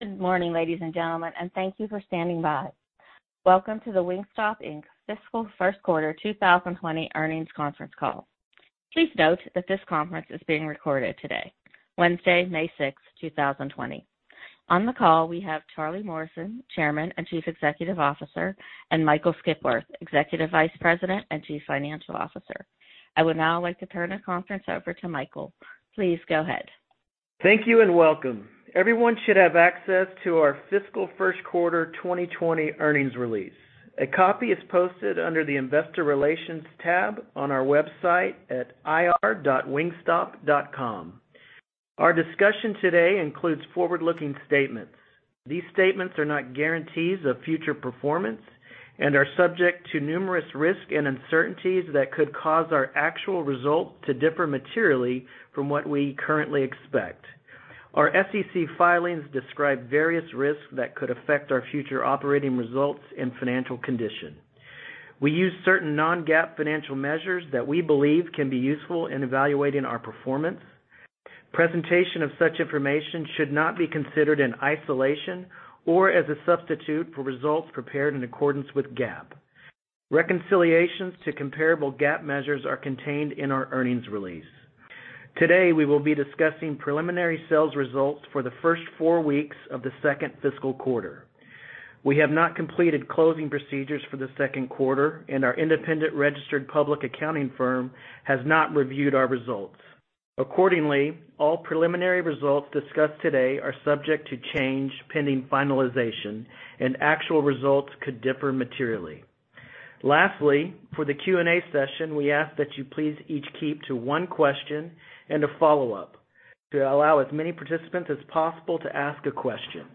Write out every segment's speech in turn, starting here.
Good morning, ladies and gentlemen, and thank you for standing by. Welcome to the Wingstop Inc. fiscal first quarter 2020 earnings conference call. Please note that this conference is being recorded today, Wednesday, May 6, 2020. On the call, we have Charlie Morrison, Chairman and Chief Executive Officer, and Michael Skipworth, Executive Vice President and Chief Financial Officer. I would now like to turn the conference over to Michael. Please go ahead. Thank you and welcome. Everyone should have access to our fiscal first quarter 2020 earnings release. A copy is posted under the Investor Relations tab on our website at ir.wingstop.com. Our discussion today includes forward-looking statements. These statements are not guarantees of future performance and are subject to numerous risks and uncertainties that could cause our actual results to differ materially from what we currently expect. Our SEC filings describe various risks that could affect our future operating results and financial condition. We use certain non-GAAP financial measures that we believe can be useful in evaluating our performance. Presentation of such information should not be considered in isolation or as a substitute for results prepared in accordance with GAAP. Reconciliations to comparable GAAP measures are contained in our earnings release. Today, we will be discussing preliminary sales results for the first four weeks of the second fiscal quarter. We have not completed closing procedures for the second quarter, and our independent registered public accounting firm has not reviewed our results. Accordingly, all preliminary results discussed today are subject to change pending finalization, and actual results could differ materially. Lastly, for the Q&A session, we ask that you please each keep to one question and a follow-up to allow as many participants as possible to ask a question.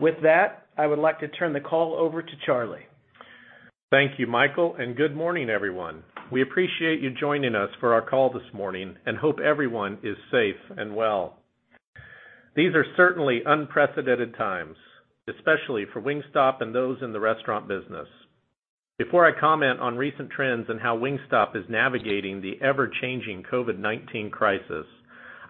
With that, I would like to turn the call over to Charlie. Thank you, Michael. Good morning, everyone. We appreciate you joining us for our call this morning and hope everyone is safe and well. These are certainly unprecedented times, especially for Wingstop and those in the restaurant business. Before I comment on recent trends and how Wingstop is navigating the ever-changing COVID-19 crisis,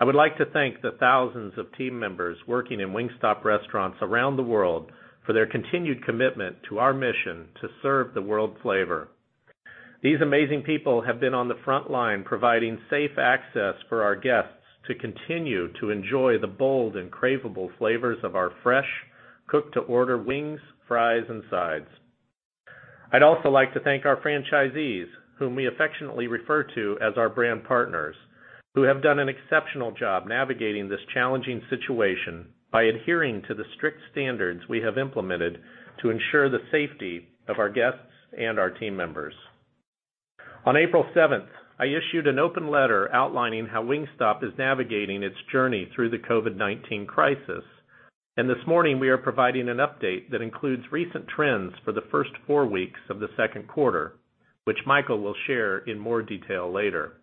I would like to thank the thousands of team members working in Wingstop restaurants around the world for their continued commitment to our mission to serve the world flavor. These amazing people have been on the front line providing safe access for our guests to continue to enjoy the bold and craveable flavors of our fresh, cooked-to-order wings, fries, and sides. I'd also like to thank our franchisees, whom we affectionately refer to as our brand partners, who have done an exceptional job navigating this challenging situation by adhering to the strict standards we have implemented to ensure the safety of our guests and our team members. On April 7th, I issued an open letter outlining how Wingstop is navigating its journey through the COVID-19 crisis, and this morning we are providing an update that includes recent trends for the first four weeks of the second quarter, which Michael will share in more detail later.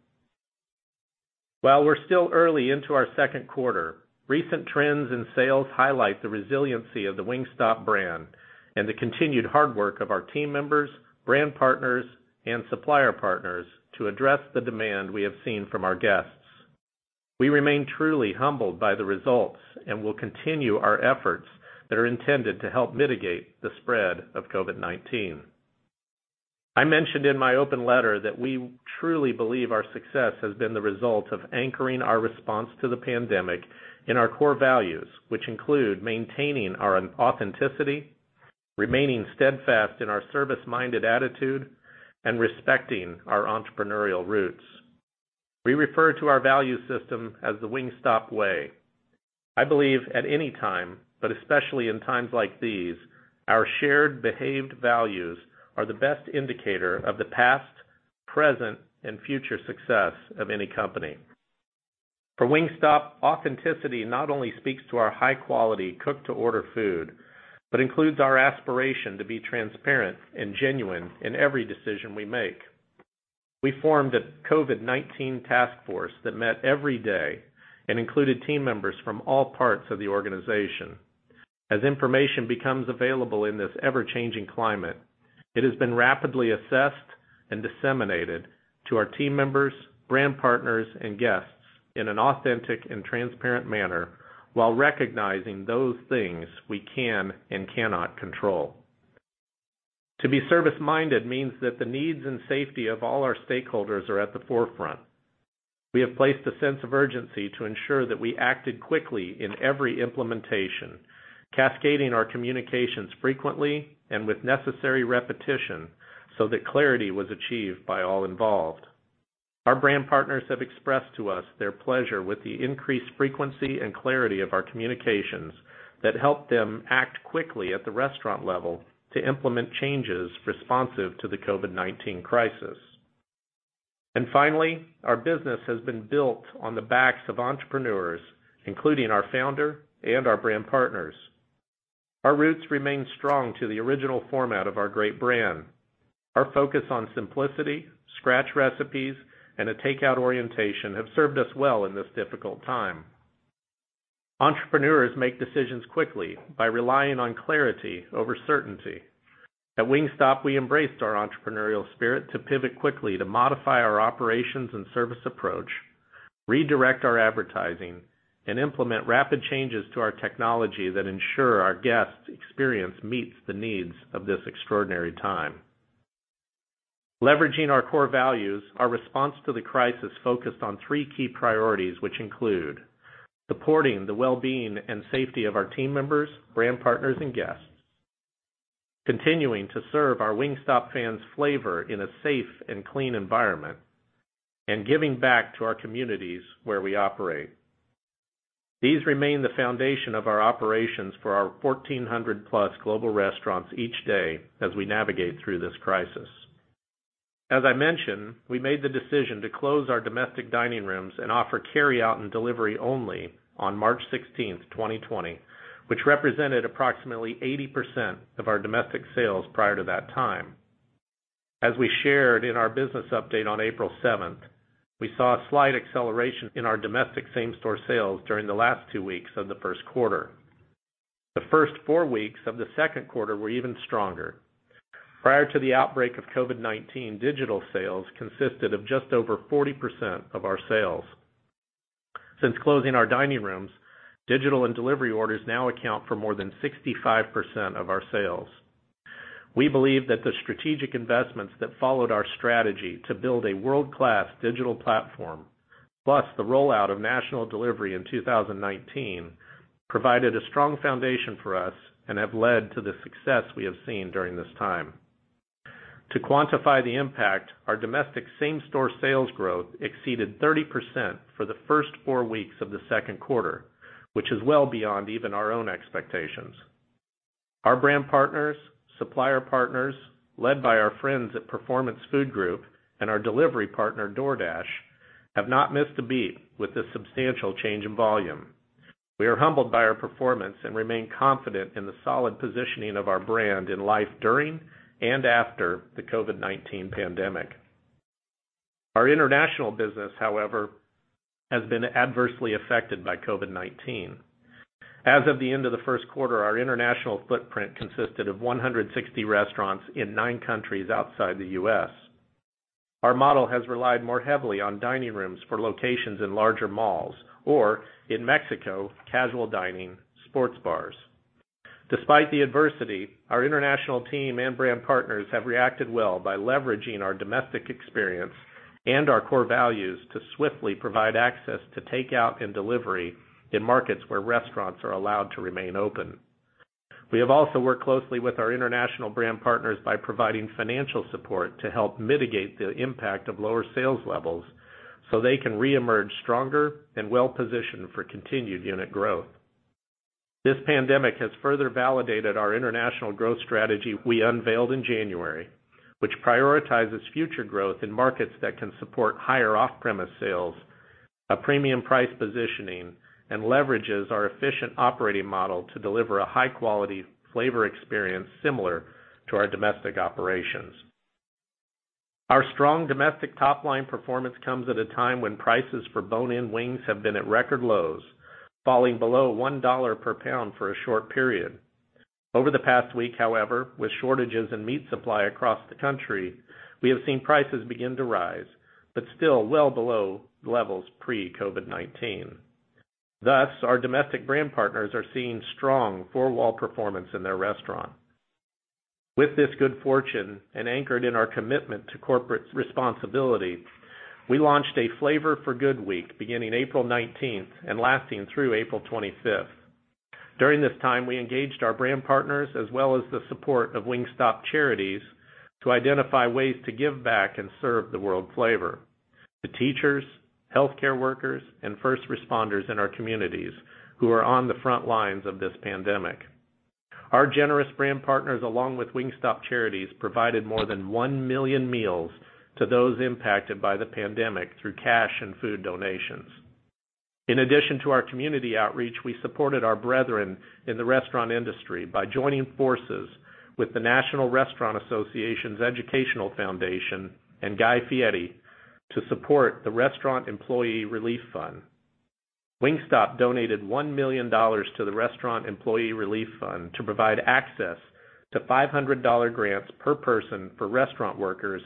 While we're still early into our second quarter, recent trends in sales highlight the resiliency of the Wingstop brand and the continued hard work of our team members, brand partners, and supplier partners to address the demand we have seen from our guests. We remain truly humbled by the results and will continue our efforts that are intended to help mitigate the spread of COVID-19. I mentioned in my open letter that we truly believe our success has been the result of anchoring our response to the pandemic in our core values, which include maintaining our authenticity, remaining steadfast in our service-minded attitude, and respecting our entrepreneurial roots. We refer to our value system as the Wingstop way. I believe at any time, but especially in times like these, our shared behaved values are the best indicator of the past, present, and future success of any company. For Wingstop, authenticity not only speaks to our high-quality, cooked-to-order food but includes our aspiration to be transparent and genuine in every decision we make. We formed a COVID-19 task force that met every day and included team members from all parts of the organization. As information becomes available in this ever-changing climate, it has been rapidly assessed and disseminated to our team members, brand partners, and guests in an authentic and transparent manner while recognizing those things we can and cannot control. To be service-minded means that the needs and safety of all our stakeholders are at the forefront. We have placed a sense of urgency to ensure that we acted quickly in every implementation, cascading our communications frequently and with necessary repetition so that clarity was achieved by all involved. Our brand partners have expressed to us their pleasure with the increased frequency and clarity of our communications that help them act quickly at the restaurant level to implement changes responsive to the COVID-19 crisis. Finally, our business has been built on the backs of entrepreneurs, including our founder and our brand partners. Our roots remain strong to the original format of our great brand. Our focus on simplicity, scratch recipes, and a takeout orientation have served us well in this difficult time. Entrepreneurs make decisions quickly by relying on clarity over certainty. At Wingstop, we embraced our entrepreneurial spirit to pivot quickly to modify our operations and service approach, redirect our advertising, and implement rapid changes to our technology that ensure our guests' experience meets the needs of this extraordinary time. Leveraging our core values, our response to the crisis focused on three key priorities, which include supporting the well-being and safety of our team members, brand partners, and guests, continuing to serve our Wingstop fans flavor in a safe and clean environment, and giving back to our communities where we operate. These remain the foundation of our operations for our 1,400+ global restaurants each day as we navigate through this crisis. As I mentioned, we made the decision to close our domestic dining rooms and offer carryout and delivery only on March 16th, 2020, which represented approximately 80% of our domestic sales prior to that time. As we shared in our business update on April 7th, we saw a slight acceleration in our domestic same-store sales during the last two weeks of the first quarter. The first four weeks of the second quarter were even stronger. Prior to the outbreak of COVID-19, digital sales consisted of just over 40% of our sales. Since closing our dining rooms, digital and delivery orders now account for more than 65% of our sales. We believe that the strategic investments that followed our strategy to build a world-class digital platform, plus the rollout of national delivery in 2019, provided a strong foundation for us and have led to the success we have seen during this time. To quantify the impact, our domestic same-store sales growth exceeded 30% for the first four weeks of the second quarter, which is well beyond even our own expectations. Our brand partners, supplier partners, led by our friends at Performance Food Group and our delivery partner, DoorDash, have not missed a beat with this substantial change in volume. We are humbled by our performance and remain confident in the solid positioning of our brand in life during and after the COVID-19 pandemic. Our international business, however, has been adversely affected by COVID-19. As of the end of the first quarter, our international footprint consisted of 160 restaurants in nine countries outside the U.S. Our model has relied more heavily on dining rooms for locations in larger malls or, in Mexico, casual dining sports bars. Despite the adversity, our international team and brand partners have reacted well by leveraging our domestic experience and our core values to swiftly provide access to takeout and delivery in markets where restaurants are allowed to remain open. We have also worked closely with our international brand partners by providing financial support to help mitigate the impact of lower sales levels so they can reemerge stronger and well-positioned for continued unit growth. This pandemic has further validated our international growth strategy we unveiled in January, which prioritizes future growth in markets that can support higher off-premise sales, a premium price positioning, and leverages our efficient operating model to deliver a high-quality flavor experience similar to our domestic operations. Our strong domestic top-line performance comes at a time when prices for bone-in wings have been at record lows, falling below $1 per pound for a short period. Over the past week, however, with shortages in meat supply across the country, we have seen prices begin to rise, but still well below levels pre-COVID-19. Thus, our domestic brand partners are seeing strong four-wall performance in their restaurant. With this good fortune and anchored in our commitment to corporate responsibility, we launched a Flavor for Good week beginning April 19th and lasting through April 25th. During this time, we engaged our brand partners as well as the support of Wingstop Charities to identify ways to give back and serve the world flavor to teachers, healthcare workers, and first responders in our communities who are on the front lines of this pandemic. Our generous brand partners, along with Wingstop Charities, provided more than 1 million meals to those impacted by the pandemic through cash and food donations. In addition to our community outreach, we supported our brethren in the restaurant industry by joining forces with the National Restaurant Association's Educational Foundation and Guy Fieri to support the Restaurant Employee Relief Fund. Wingstop donated $1 million to the Restaurant Employee Relief Fund to provide access to $500 grants per person for restaurant workers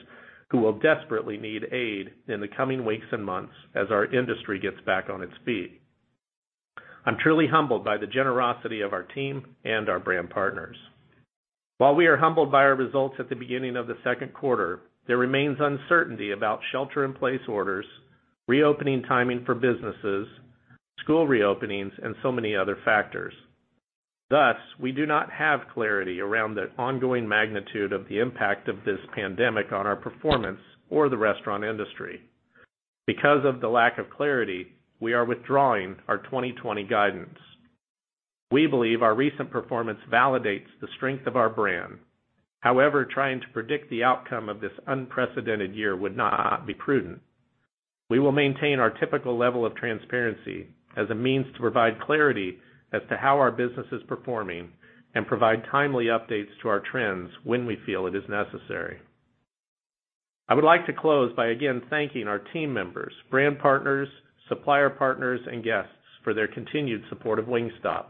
who will desperately need aid in the coming weeks and months as our industry gets back on its feet. I'm truly humbled by the generosity of our team and our brand partners. While we are humbled by our results at the beginning of the second quarter, there remains uncertainty about shelter in place orders, reopening timing for businesses, school reopenings, and so many other factors. Thus, we do not have clarity around the ongoing magnitude of the impact of this pandemic on our performance or the restaurant industry. Because of the lack of clarity, we are withdrawing our 2020 guidance. We believe our recent performance validates the strength of our brand. However, trying to predict the outcome of this unprecedented year would not be prudent. We will maintain our typical level of transparency as a means to provide clarity as to how our business is performing and provide timely updates to our trends when we feel it is necessary. I would like to close by again thanking our team members, brand partners, supplier partners, and guests for their continued support of Wingstop.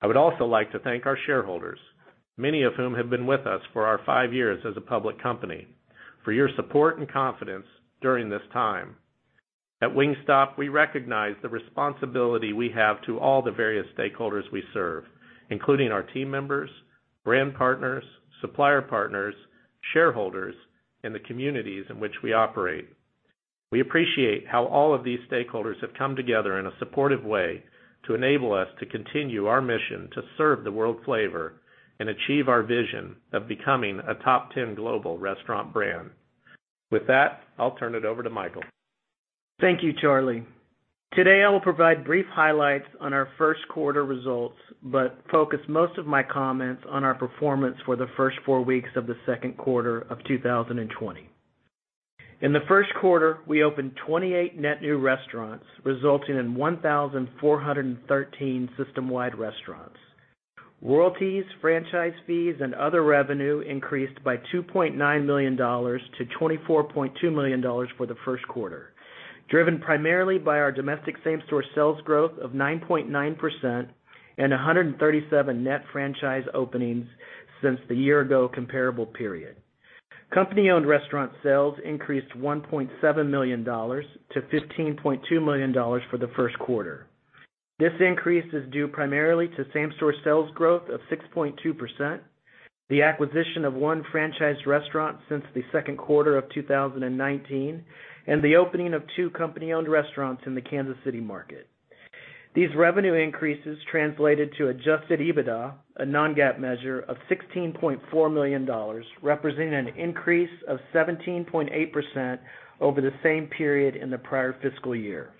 I would also like to thank our shareholders, many of whom have been with us for our five years as a public company, for your support and confidence during this time. At Wingstop, we recognize the responsibility we have to all the various stakeholders we serve, including our team members, brand partners, supplier partners, shareholders, and the communities in which we operate. We appreciate how all of these stakeholders have come together in a supportive way to enable us to continue our mission to serve the world flavor and achieve our vision of becoming a top 10 global restaurant brand. With that, I'll turn it over to Michael. Thank you, Charlie. Today, I will provide brief highlights on our first quarter results, but focus most of my comments on our performance for the first four weeks of the second quarter of 2020. In the first quarter, we opened 28 net new restaurants, resulting in 1,413 systemwide restaurants. Royalties, franchise fees, and other revenue increased by $2.9 million to $24.2 million for the first quarter, driven primarily by our domestic same-store sales growth of 9.9% and 137 net franchise openings since the year-ago comparable period. Company-owned restaurant sales increased $1.7 million to $15.2 million for the first quarter. This increase is due primarily to same-store sales growth of 6.2%, the acquisition of one franchise restaurant since the second quarter of 2019, and the opening of two company-owned restaurants in the Kansas City market. These revenue increases translated to adjusted EBITDA, a non-GAAP measure, of $16.4 million, representing an increase of 17.8% over the same period in the prior fiscal year.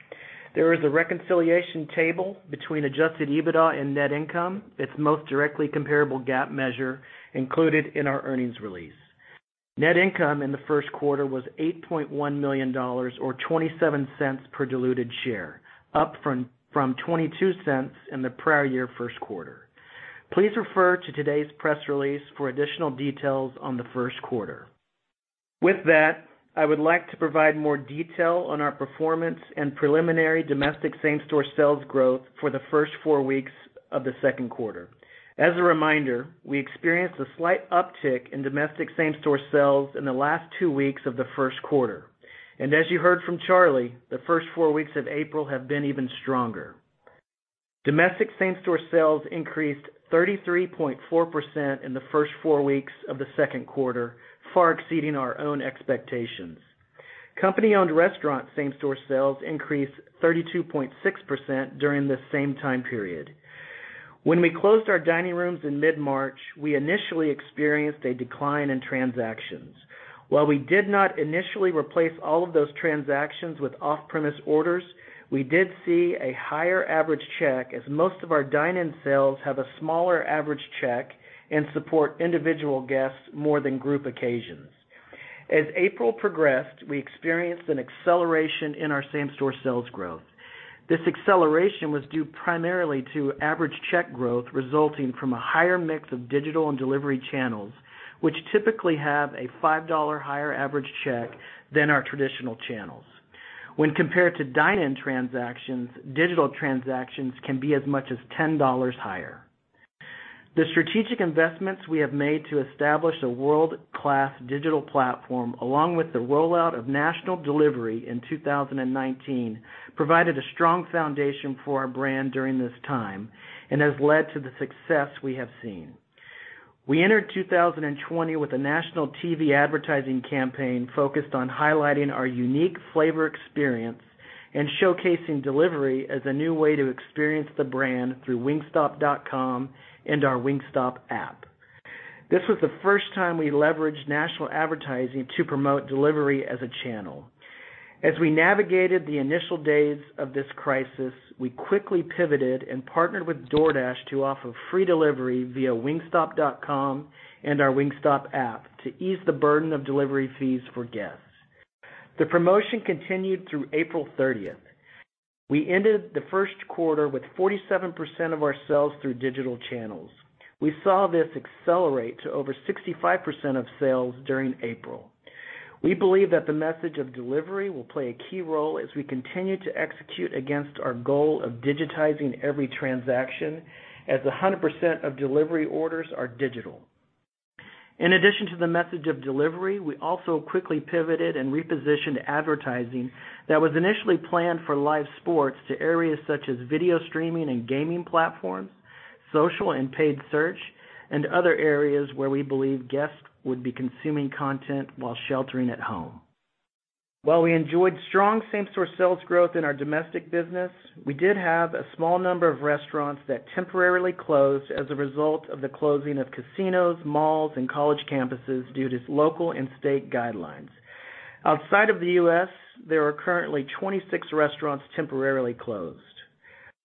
There is a reconciliation table between adjusted EBITDA and net income, its most directly comparable GAAP measure, included in our earnings release. Net income in the first quarter was $8.1 million or $0.27 per diluted share, up from $0.22 in the prior year first quarter. Please refer to today's press release for additional details on the first quarter. With that, I would like to provide more detail on our performance and preliminary domestic same-store sales growth for the first four weeks of the second quarter. As a reminder, we experienced a slight uptick in domestic same-store sales in the last two weeks of the first quarter. As you heard from Charlie, the first four weeks of April have been even stronger. Domestic same-store sales increased 33.4% in the first four weeks of the second quarter, far exceeding our own expectations. Company-owned restaurant same-store sales increased 32.6% during the same time period. When we closed our dining rooms in mid-March, we initially experienced a decline in transactions. While we did not initially replace all of those transactions with off-premise orders, we did see a higher average check as most of our dine-in sales have a smaller average check and support individual guests more than group occasions. As April progressed, we experienced an acceleration in our same-store sales growth. This acceleration was due primarily to average check growth resulting from a higher mix of digital and delivery channels, which typically have a $5 higher average check than our traditional channels. When compared to dine-in transactions, digital transactions can be as much as $10 higher. The strategic investments we have made to establish a world-class digital platform, along with the rollout of national delivery in 2019, provided a strong foundation for our brand during this time and has led to the success we have seen. We entered 2020 with a national TV advertising campaign focused on highlighting our unique flavor experience and showcasing delivery as a new way to experience the brand through wingstop.com and our Wingstop app. This was the first time we leveraged national advertising to promote delivery as a channel. We navigated the initial days of this crisis, we quickly pivoted and partnered with DoorDash to offer free delivery via wingstop.com and our Wingstop app to ease the burden of delivery fees for guests. The promotion continued through April 30th. We ended the first quarter with 47% of our sales through digital channels. We saw this accelerate to over 65% of sales during April. We believe that the message of delivery will play a key role as we continue to execute against our goal of digitizing every transaction, as 100% of delivery orders are digital. In addition to the message of delivery, we also quickly pivoted and repositioned advertising that was initially planned for live sports to areas such as video streaming and gaming platforms, social and paid search, and other areas where we believe guests would be consuming content while sheltering at home. While we enjoyed strong same-store sales growth in our domestic business, we did have a small number of restaurants that temporarily closed as a result of the closing of casinos, malls, and college campuses due to local and state guidelines. Outside of the U.S., there are currently 26 restaurants temporarily closed.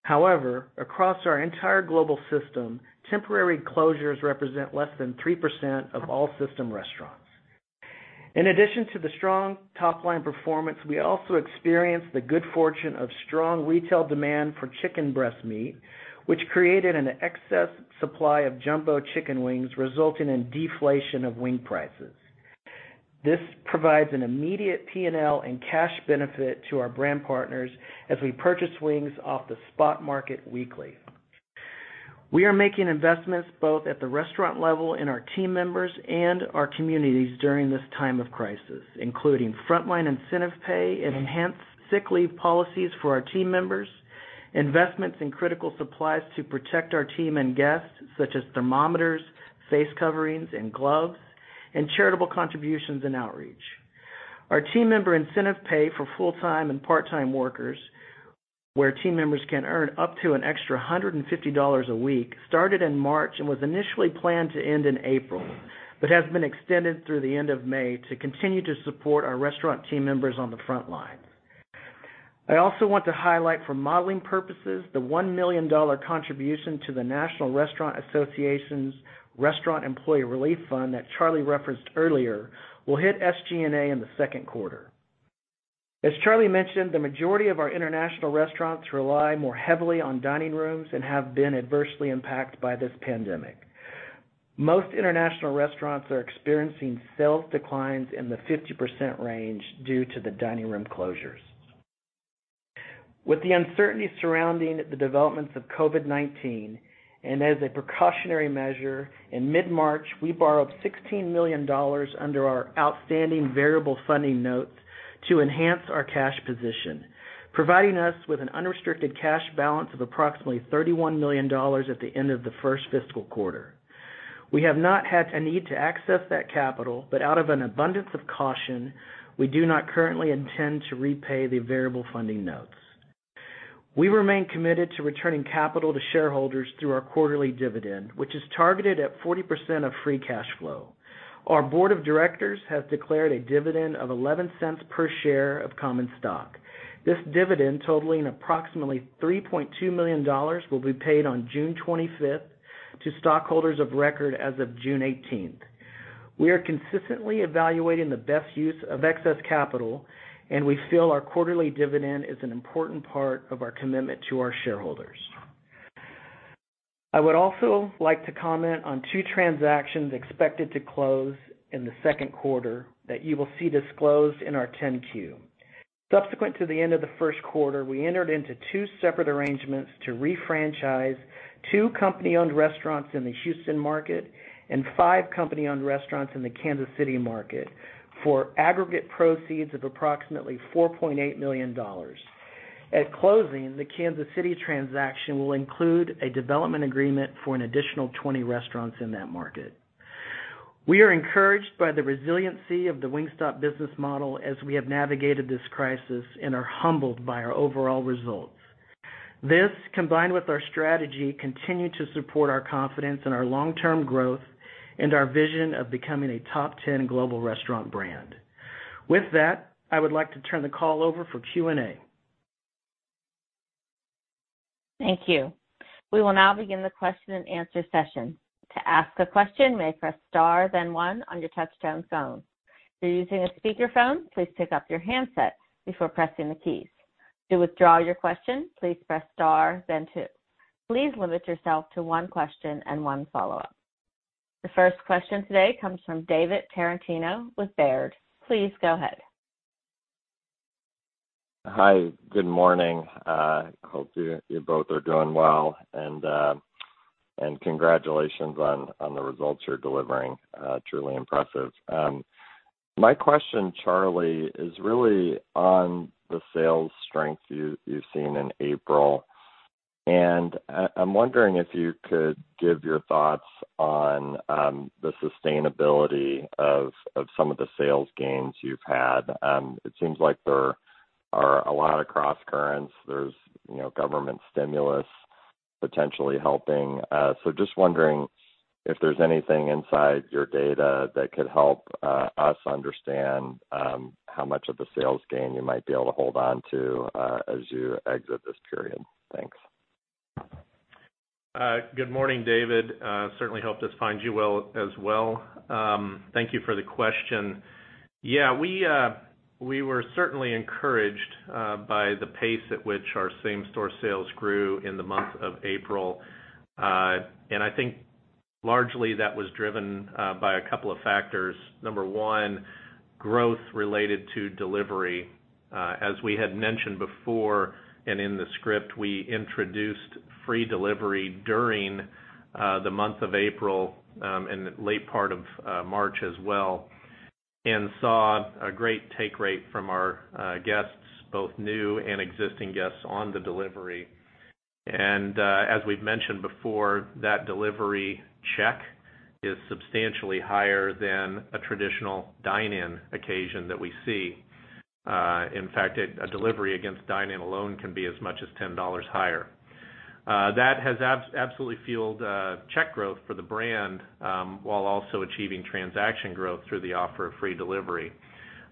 However, across our entire global system, temporary closures represent less than 3% of all system restaurants. In addition to the strong top-line performance, we also experienced the good fortune of strong retail demand for chicken breast meat, which created an excess supply of jumbo chicken wings, resulting in deflation of wing prices. This provides an immediate P&L and cash benefit to our brand partners as we purchase wings off the spot market weekly. We are making investments both at the restaurant level in our team members and our communities during this time of crisis, including frontline incentive pay and enhanced sick leave policies for our team members, investments in critical supplies to protect our team and guests, such as thermometers, face coverings, and gloves, and charitable contributions and outreach. Our team member incentive pay for full-time and part-time workers, where team members can earn up to an extra $150 a week, started in March and was initially planned to end in April. Has been extended through the end of May to continue to support our restaurant team members on the front line. I also want to highlight for modeling purposes the $1 million contribution to the National Restaurant Association's Restaurant Employee Relief Fund that Charlie referenced earlier will hit SG&A in the second quarter. As Charlie mentioned, the majority of our international restaurants rely more heavily on dining rooms and have been adversely impacted by this pandemic. Most international restaurants are experiencing sales declines in the 50% range due to the dining room closures. With the uncertainty surrounding the developments of COVID-19, and as a precautionary measure, in mid-March, we borrowed $16 million under our outstanding variable funding notes to enhance our cash position, providing us with an unrestricted cash balance of approximately $31 million at the end of the first fiscal quarter. We have not had a need to access that capital, but out of an abundance of caution, we do not currently intend to repay the variable funding notes. We remain committed to returning capital to shareholders through our quarterly dividend, which is targeted at 40% of free cash flow. Our Board of Directors has declared a dividend of $0.11 per share of common stock. This dividend, totaling approximately $3.2 million, will be paid on June 25th to stockholders of record as of June 18th. We are consistently evaluating the best use of excess capital, and we feel our quarterly dividend is an important part of our commitment to our shareholders. I would also like to comment on two transactions expected to close in the second quarter that you will see disclosed in our 10-Q. Subsequent to the end of the first quarter, we entered into two separate arrangements to re-franchise two company-owned restaurants in the Houston market and five company-owned restaurants in the Kansas City market for aggregate proceeds of approximately $4.8 million. At closing, the Kansas City transaction will include a development agreement for an additional 20 restaurants in that market. We are encouraged by the resiliency of the Wingstop business model as we have navigated this crisis and are humbled by our overall results. This, combined with our strategy, continue to support our confidence in our long-term growth and our vision of becoming a top 10 global restaurant brand. With that, I would like to turn the call over for Q&A. Thank you. We will now begin the question and answer session. To ask a question, you may press star then one on your touch-tone phone. If you're using a speakerphone, please pick up your handset before pressing the keys. To withdraw your question, please press star then two. Please limit yourself to one question and one follow-up. The first question today comes from David Tarantino with Baird. Please go ahead. Hi. Good morning. I hope you both are doing well, and congratulations on the results you're delivering. Truly impressive. My question, Charlie, is really on the sales strength you've seen in April. I'm wondering if you could give your thoughts on the sustainability of some of the sales gains you've had. It seems like there are a lot of crosscurrents. There's government stimulus potentially helping. Just wondering if there's anything inside your data that could help us understand how much of the sales gain you might be able to hold on to as you exit this period. Thanks. Good morning, David. Certainly hope this finds you well as well. Thank you for the question. Yeah, we were certainly encouraged by the pace at which our same-store sales grew in the month of April. I think largely that was driven by a couple of factors. Number one, growth related to delivery. As we had mentioned before and in the script, we introduced free delivery during the month of April, and the late part of March as well, and saw a great take rate from our guests, both new and existing guests, on the delivery. As we've mentioned before, that delivery check is substantially higher than a traditional dine-in occasion that we see. In fact, a delivery against dine-in alone can be as much as $10 higher. That has absolutely fueled check growth for the brand, while also achieving transaction growth through the offer of free delivery.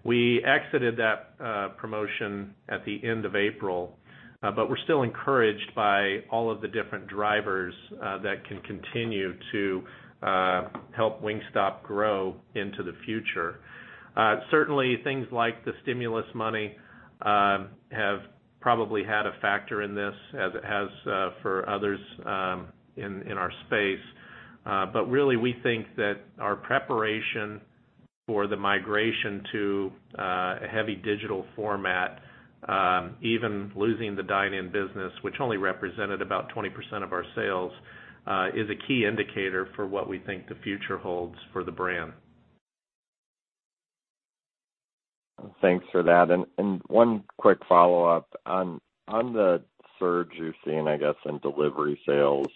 We exited that promotion at the end of April. We're still encouraged by all of the different drivers that can continue to help Wingstop grow into the future. Certainly, things like the stimulus money have probably had a factor in this as it has for others in our space. Really, we think that our preparation for the migration to a heavy digital format, even losing the dine-in business, which only represented about 20% of our sales, is a key indicator for what we think the future holds for the brand. Thanks for that. One quick follow-up. On the surge you're seeing, I guess, in delivery sales,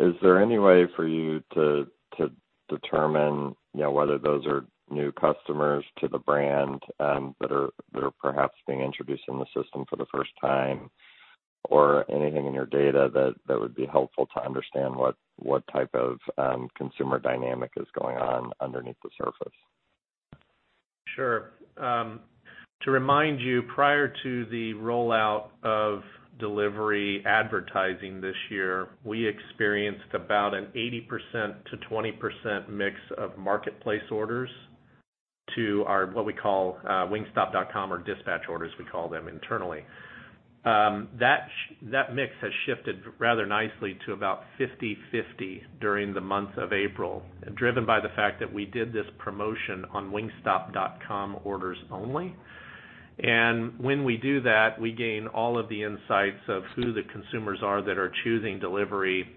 is there any way for you to determine whether those are new customers to the brand that are perhaps being introduced in the system for the first time, or anything in your data that would be helpful to understand what type of consumer dynamic is going on underneath the surface? Sure. To remind you, prior to the rollout of delivery advertising this year, we experienced about an 80%-20% mix of marketplace orders to our what we call wingstop.com or dispatch orders, we call them internally. When we do that, we gain all of the insights of who the consumers are that are choosing delivery. That mix has shifted rather nicely to about 50/50 during the month of April, driven by the fact that we did this promotion on wingstop.com orders only.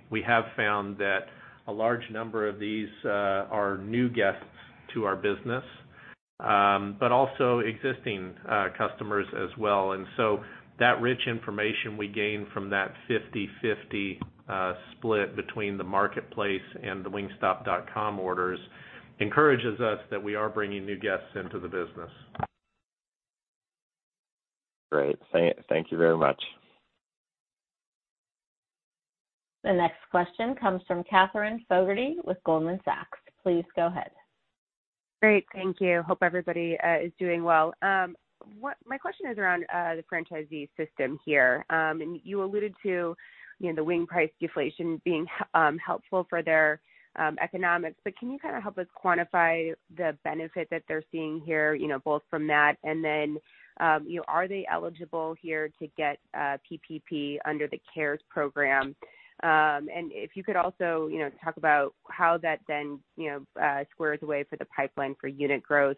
We have found that a large number of these are new guests to our business, but also existing customers as well. That rich information we gain from that 50/50 split between the marketplace and the wingstop.com orders encourages us that we are bringing new guests into the business. Great. Thank you very much. The next question comes from Katherine Fogertey with Goldman Sachs. Please go ahead. Great. Thank you. Hope everybody is doing well. My question is around the franchisee system here. You alluded to the wing price deflation being helpful for their economics, but can you kind of help us quantify the benefit that they're seeing here, both from that, and then, are they eligible here to get PPP under the CARES program? If you could also talk about how that then squares away for the pipeline for unit growth.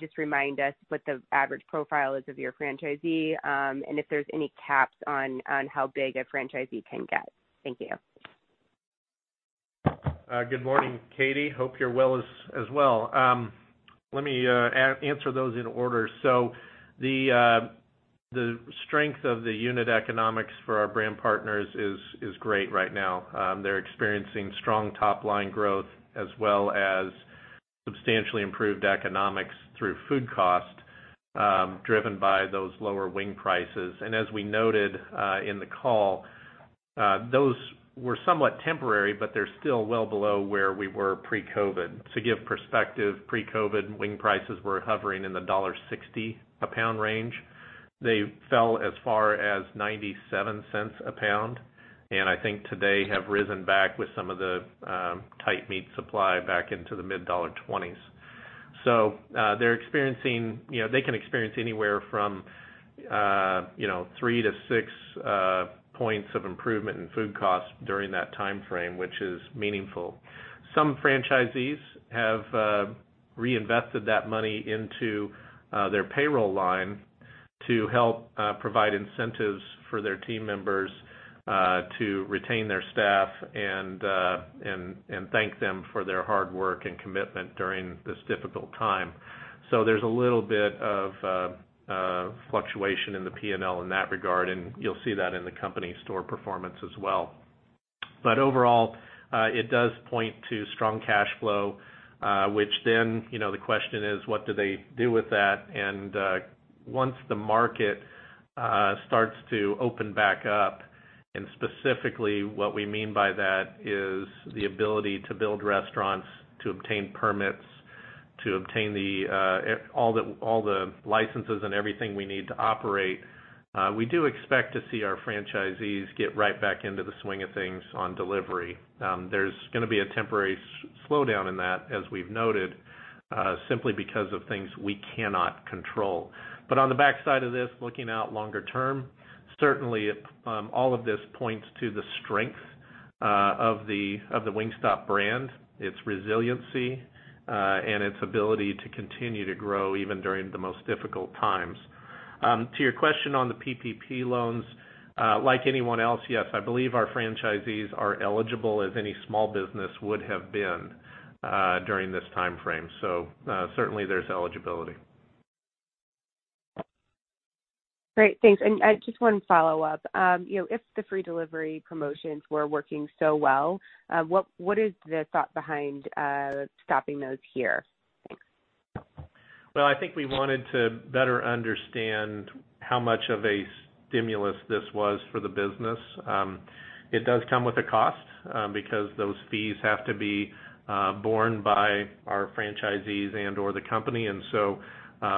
Just remind us what the average profile is of your franchisee, and if there's any caps on how big a franchisee can get. Thank you. Good morning, Katie. Hope you're well as well. Let me answer those in order. The strength of the unit economics for our brand partners is great right now. They're experiencing strong top-line growth as well as substantially improved economics through food cost, driven by those lower wing prices. As we noted in the call, those were somewhat temporary, but they're still well below where we were pre-COVID. To give perspective, pre-COVID, wing prices were hovering in the $1.60 a pound range. They fell as far as $0.97 a pound, and I think today have risen back with some of the tight meat supply back into the mid $1.20s. They can experience anywhere from three to six points of improvement in food cost during that timeframe, which is meaningful. Some franchisees have reinvested that money into their payroll line to help provide incentives for their team members to retain their staff and thank them for their hard work and commitment during this difficult time. There's a little bit of fluctuation in the P&L in that regard, and you'll see that in the company store performance as well. Overall, it does point to strong cash flow, which then the question is, what do they do with that? Once the market starts to open back up, and specifically what we mean by that is the ability to build restaurants, to obtain permits, to obtain all the licenses, and everything we need to operate. We do expect to see our franchisees get right back into the swing of things on delivery. There's going to be a temporary slowdown in that, as we've noted, simply because of things we cannot control. On the backside of this, looking out longer term, certainly all of this points to the strength of the Wingstop brand, its resiliency, and its ability to continue to grow even during the most difficult times. To your question on the PPP loans, like anyone else, yes, I believe our franchisees are eligible as any small business would have been during this timeframe. Certainly there's eligibility. Great, thanks. Just one follow-up. If the free delivery promotions were working so well, what is the thought behind stopping those here? Thanks. Well, I think we wanted to better understand how much of a stimulus this was for the business. It does come with a cost because those fees have to be borne by our franchisees and/or the company.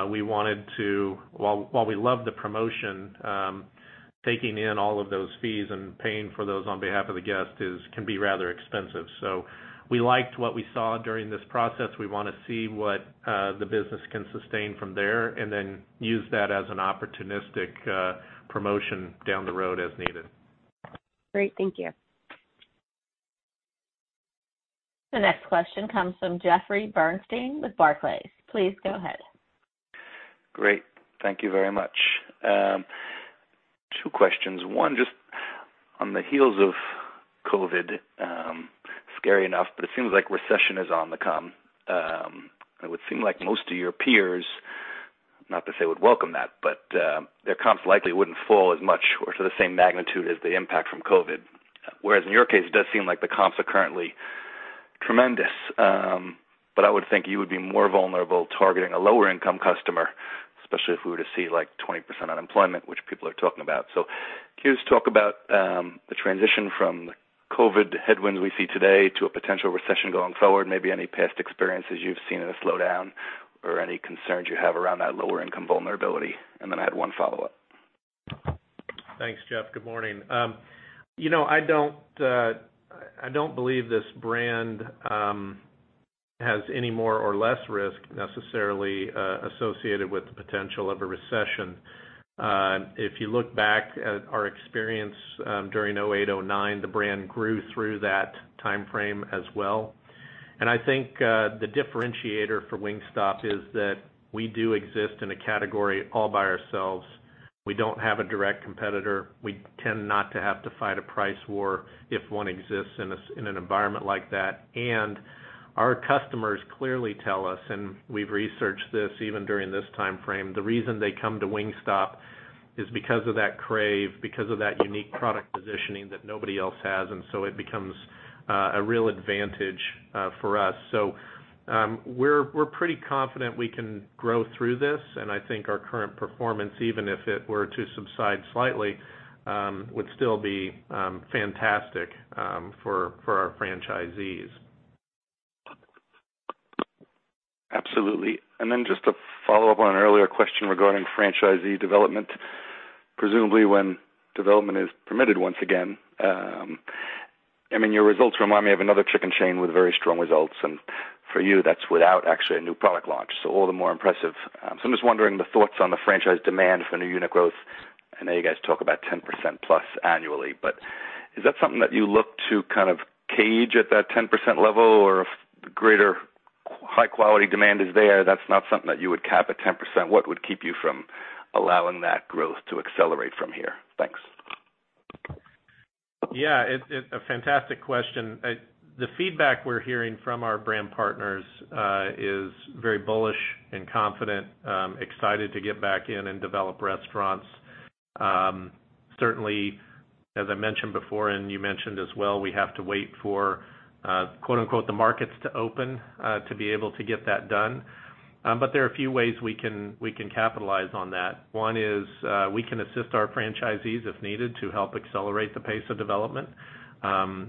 We wanted to, while we love the promotion, taking in all of those fees and paying for those on behalf of the guest can be rather expensive. We liked what we saw during this process. We want to see what the business can sustain from there, and then use that as an opportunistic promotion down the road as needed. Great. Thank you. The next question comes from Jeffrey Bernstein with Barclays. Please go ahead. Great. Thank you very much. Two questions. One, just on the heels of COVID-19, scary enough, it seems like recession is on the come. It would seem like most of your peers, not to say would welcome that, their comps likely wouldn't fall as much or to the same magnitude as the impact from COVID-19. In your case, it does seem like the comps are currently tremendous. I would think you would be more vulnerable targeting a lower income customer, especially if we were to see like 20% unemployment, which people are talking about. Can you just talk about the transition from COVID-19 headwinds we see today to a potential recession going forward, maybe any past experiences you've seen in a slowdown or any concerns you have around that lower income vulnerability? I had one follow-up. Thanks, Jeff. Good morning. I don't believe this brand has any more or less risk necessarily associated with the potential of a recession. If you look back at our experience during 2008-2009, the brand grew through that timeframe as well. I think the differentiator for Wingstop is that we do exist in a category all by ourselves. We don't have a direct competitor. We tend not to have to fight a price war if one exists in an environment like that. Our customers clearly tell us, and we've researched this even during this timeframe, the reason they come to Wingstop is because of that crave, because of that unique product positioning that nobody else has, and so it becomes a real advantage for us. We're pretty confident we can grow through this, and I think our current performance, even if it were to subside slightly, would still be fantastic for our franchisees. Absolutely. Then just to follow up on an earlier question regarding franchisee development, presumably when development is permitted once again. I mean, your results remind me of another chicken chain with very strong results, for you, that's without actually a new product launch, all the more impressive. I'm just wondering the thoughts on the franchise demand for new unit growth. I know you guys talk about 10%+ annually, is that something that you look to kind of cage at that 10% level, if greater high-quality demand is there, that's not something that you would cap at 10%? What would keep you from allowing that growth to accelerate from here? Thanks. Yeah, it's a fantastic question. The feedback we're hearing from our brand partners is very bullish and confident, excited to get back in and develop restaurants. Certainly, as I mentioned before, and you mentioned as well, we have to wait for "the markets to open" to be able to get that done. There are a few ways we can capitalize on that. One is, we can assist our franchisees if needed to help accelerate the pace of development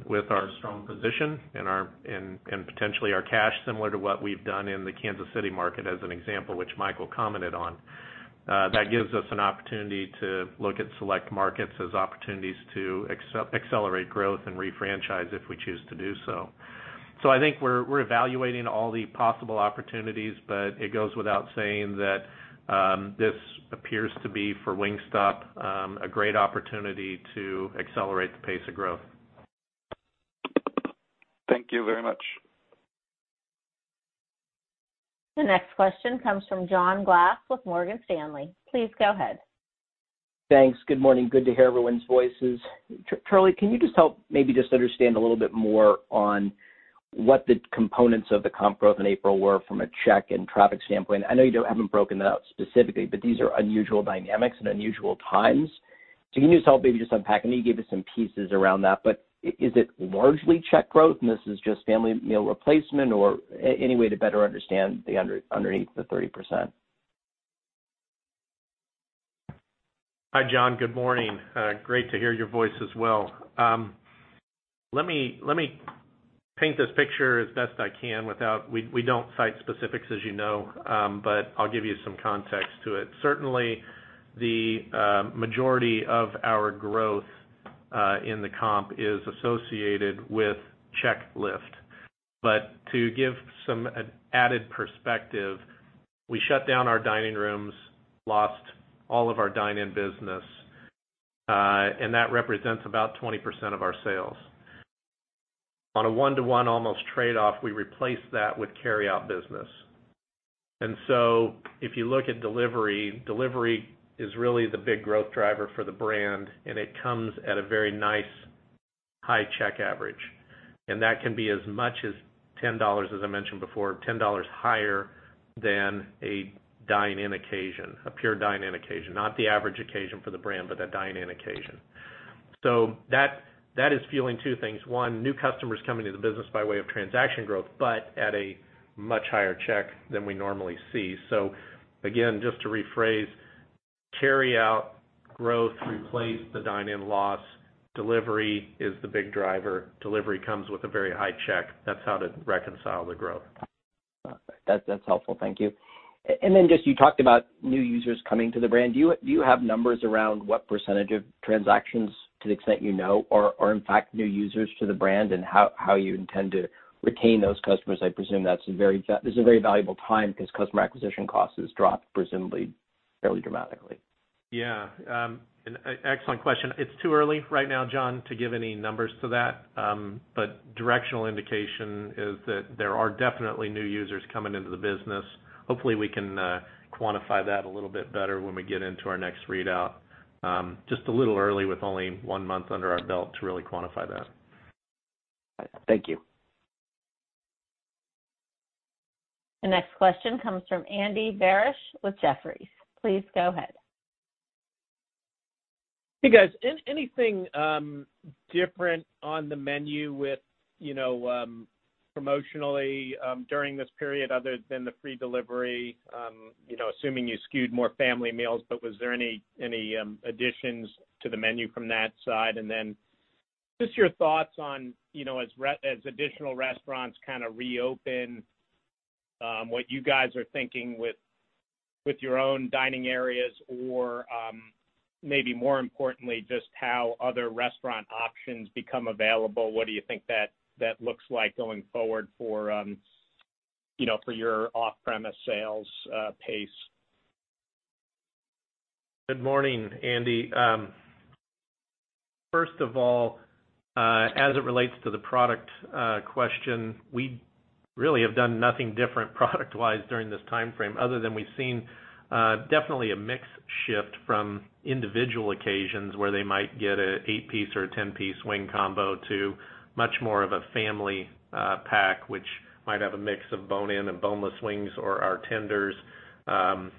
with our strong position and potentially our cash, similar to what we've done in the Kansas City market as an example, which Mike will comment on. That gives us an opportunity to look at select markets as opportunities to accelerate growth and re-franchise if we choose to do so. I think we're evaluating all the possible opportunities, but it goes without saying that this appears to be for Wingstop, a great opportunity to accelerate the pace of growth. Thank you very much. The next question comes from John Glass with Morgan Stanley. Please go ahead. Thanks. Good morning. Good to hear everyone's voices. Charlie, can you just help maybe just understand a little bit more on what the components of the comp growth in April were from a check and traffic standpoint? I know you haven't broken that out specifically, but these are unusual dynamics and unusual times. Can you just help maybe just unpack? I know you gave us some pieces around that, but is it largely check growth and this is just family meal replacement? Any way to better understand underneath the 30%? Hi, John. Good morning. Great to hear your voice as well. Let me paint this picture as best I can. We don't cite specifics as you know, but I'll give you some context to it. Certainly, the majority of our growth in the comp is associated with check lift. To give some added perspective, we shut down our dining rooms, lost all of our dine-in business, and that represents about 20% of our sales. On a one-to-one almost trade-off, we replaced that with carryout business. If you look at delivery is really the big growth driver for the brand, and it comes at a very nice high check average, and that can be as much as $10, as I mentioned before, $10 higher than a dine-in occasion, a pure dine-in occasion, not the average occasion for the brand, but a dine-in occasion. That is fueling two things. One, new customers coming to the business by way of transaction growth, but at a much higher check than we normally see. Again, just to rephrase, carryout growth replaced the dine-in loss. Delivery is the big driver. Delivery comes with a very high check. That's how to reconcile the growth. That's helpful. Thank you. Just you talked about new users coming to the brand. Do you have numbers around what percentage of transactions, to the extent you know, are in fact new users to the brand, and how you intend to retain those customers? I presume this is a very valuable time because customer acquisition costs has dropped presumably, fairly dramatically. Yeah. An excellent question. It's too early right now, John, to give any numbers to that. Directional indication is that there are definitely new users coming into the business. Hopefully, we can quantify that a little bit better when we get into our next readout. Just a little early with only one month under our belt to really quantify that. All right. Thank you. The next question comes from Andy Barish with Jefferies. Please go ahead. Hey, guys. Anything different on the menu with promotionally during this period other than the free delivery? Assuming you skewed more family meals, but was there any additions to the menu from that side? Just your thoughts on, as additional restaurants kind of reopen, what you guys are thinking with your own dining areas, or maybe more importantly, just how other restaurant options become available. What do you think that looks like going forward for your off-premise sales pace? Good morning, Andy. First of all, as it relates to the product question, we really have done nothing different product-wise during this timeframe other than we've seen definitely a mix shift from individual occasions where they might get an eight piece or a 10 piece wing combo to much more of a family pack, which might have a mix of bone-in and boneless wings or our tenders, and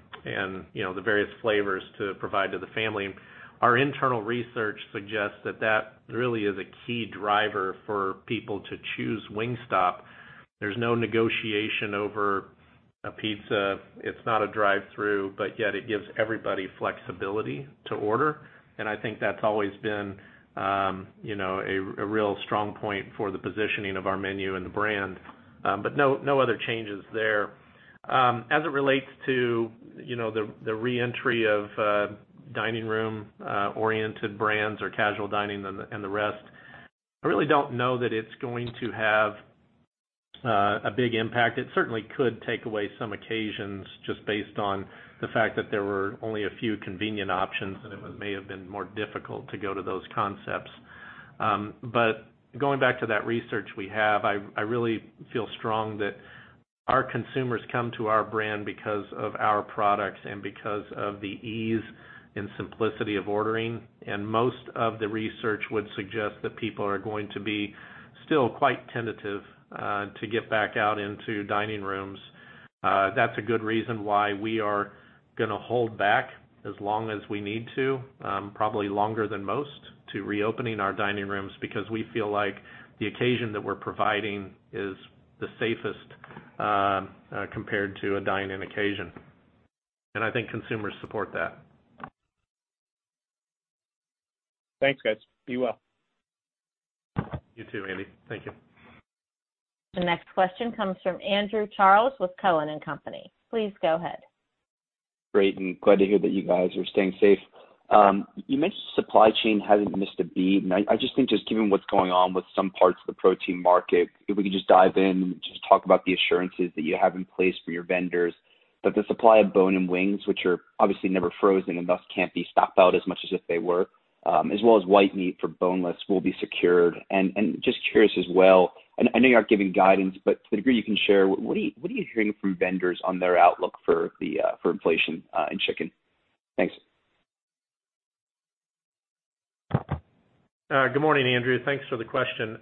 the various flavors to provide to the family. Our internal research suggests that that really is a key driver for people to choose Wingstop. There's no negotiation over a pizza. It's not a drive-through, but yet it gives everybody flexibility to order, and I think that's always been a real strong point for the positioning of our menu and the brand. No other changes there. As it relates to the re-entry of dining room oriented brands or casual dining and the rest, I really don't know that it's going to have a big impact. It certainly could take away some occasions just based on the fact that there were only a few convenient options, and it may have been more difficult to go to those concepts. Going back to that research we have, I really feel strong that our consumers come to our brand because of our products and because of the ease and simplicity of ordering. Most of the research would suggest that people are going to be still quite tentative to get back out into dining rooms. That's a good reason why we are going to hold back as long as we need to, probably longer than most, to reopening our dining rooms because we feel like the occasion that we're providing is the safest compared to a dine-in occasion. I think consumers support that. Thanks, guys. Be well. You, too, Andy. Thank you. The next question comes from Andrew Charles with Cowen and Company. Please go ahead. Great, glad to hear that you guys are staying safe. You mentioned supply chain hasn't missed a beat, and I just think just given what's going on with some parts of the protein market, if we could just dive in and just talk about the assurances that you have in place for your vendors that the supply of bone-in wings, which are obviously never frozen and thus can't be stocked out as much as if they were, as well as white meat for boneless will be secured. Just curious as well, and I know you aren't giving guidance, but to the degree you can share, what are you hearing from vendors on their outlook for inflation in chicken? Thanks. Good morning, Andrew. Thanks for the question.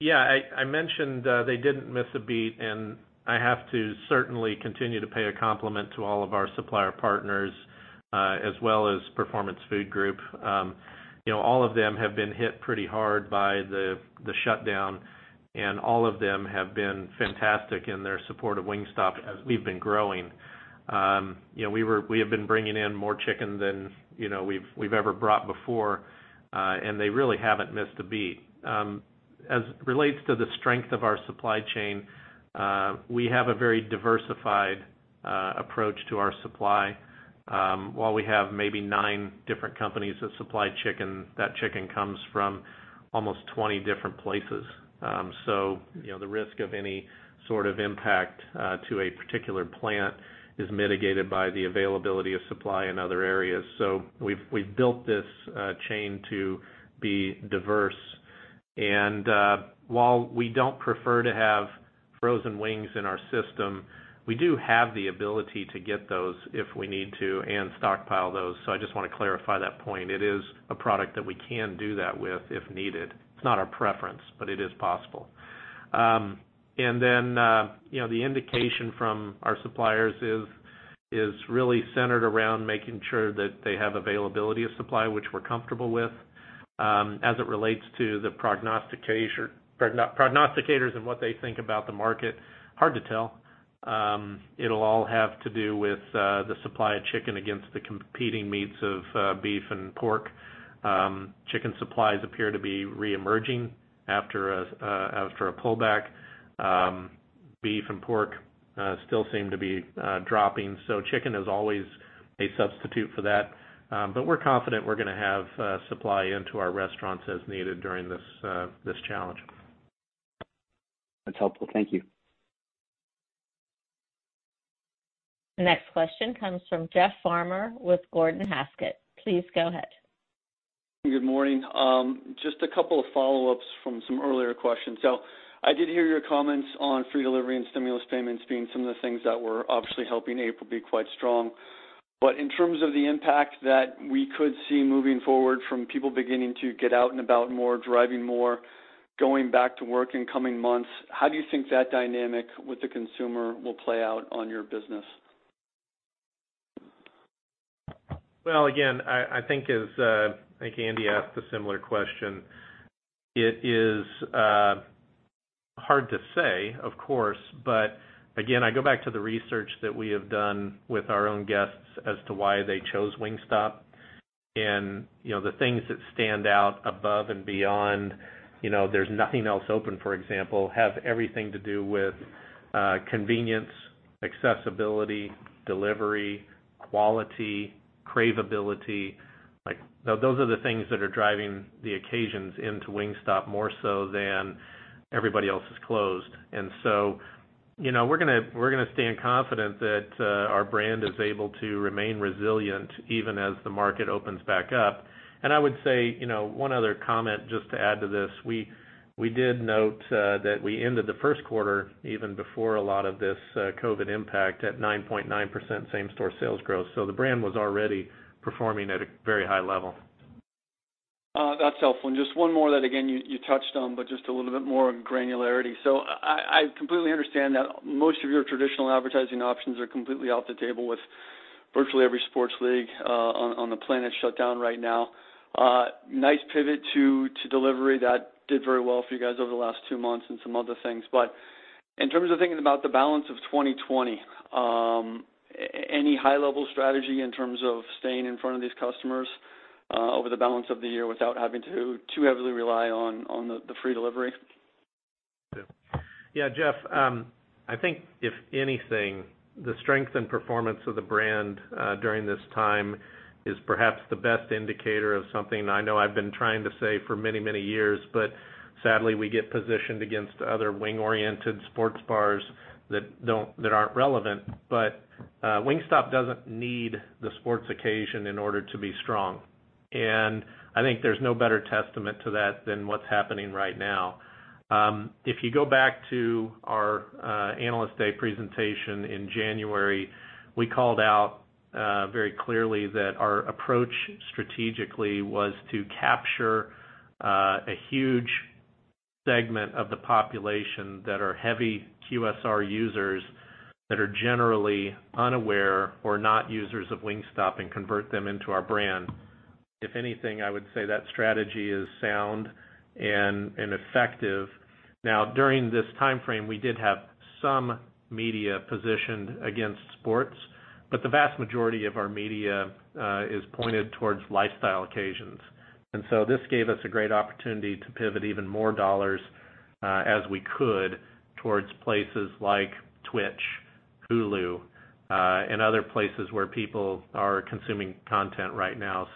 Yeah, I mentioned they didn't miss a beat, and I have to certainly continue to pay a compliment to all of our supplier partners, as well as Performance Food Group. All of them have been hit pretty hard by the shutdown, and all of them have been fantastic in their support of Wingstop as we've been growing. We have been bringing in more chicken than we've ever brought before, and they really haven't missed a beat. As it relates to the strength of our supply chain, we have a very diversified approach to our supply. While we have maybe nine different companies that supply chicken, that chicken comes from almost 20 different places. The risk of any sort of impact to a particular plant is mitigated by the availability of supply in other areas. We've built this chain to be diverse. While we don't prefer to have frozen wings in our system, we do have the ability to get those if we need to and stockpile those. I just want to clarify that point. It is a product that we can do that with if needed. It's not our preference, but it is possible. The indication from our suppliers is really centered around making sure that they have availability of supply, which we're comfortable with. As it relates to the prognosticators and what they think about the market, hard to tell. It'll all have to do with the supply of chicken against the competing meats of beef and pork. Chicken supplies appear to be reemerging after a pullback. Beef and pork still seem to be dropping. Chicken is always a substitute for that. We're confident we're going to have supply into our restaurants as needed during this challenge. That's helpful. Thank you. The next question comes from Jeff Farmer with Gordon Haskett. Please go ahead. Good morning. Just a couple of follow-ups from some earlier questions. I did hear your comments on free delivery and stimulus payments being some of the things that were obviously helping April be quite strong. In terms of the impact that we could see moving forward from people beginning to get out and about more, driving more, going back to work in coming months, how do you think that dynamic with the consumer will play out on your business? Well, again, I think Andy asked a similar question. It is hard to say, of course, again, I go back to the research that we have done with our own guests as to why they chose Wingstop. The things that stand out above and beyond, there's nothing else open, for example, have everything to do with convenience, accessibility, delivery, quality, cravability. Those are the things that are driving the occasions into Wingstop more so than everybody else is closed. We're going to stay in confidence that our brand is able to remain resilient even as the market opens back up. I would say, one other comment, just to add to this, we did note that we ended the first quarter even before a lot of this COVID-19 impact at 9.9% same-store sales growth. The brand was already performing at a very high level. That's helpful. Just one more that, again, you touched on, but just a little bit more granularity. I completely understand that most of your traditional advertising options are completely off the table with virtually every sports league on the planet shut down right now. Nice pivot to delivery. That did very well for you guys over the last two months and some other things. In terms of thinking about the balance of 2020, any high-level strategy in terms of staying in front of these customers over the balance of the year without having to too heavily rely on the free delivery? Jeff, I think if anything, the strength and performance of the brand during this time is perhaps the best indicator of something I know I've been trying to say for many years, sadly, we get positioned against other wing-oriented sports bars that aren't relevant. Wingstop doesn't need the sports occasion in order to be strong. I think there's no better testament to that than what's happening right now. If you go back to our Analyst Day presentation in January, we called out very clearly that our approach strategically was to capture a huge segment of the population that are heavy QSR users that are generally unaware or not users of Wingstop and convert them into our brand. If anything, I would say that strategy is sound and effective. Now, during this timeframe, we did have some media positioned against sports, but the vast majority of our media is pointed towards lifestyle occasions. This gave us a great opportunity to pivot even more dollars as we could towards places like Twitch, Hulu, and other places where people are consuming content right now.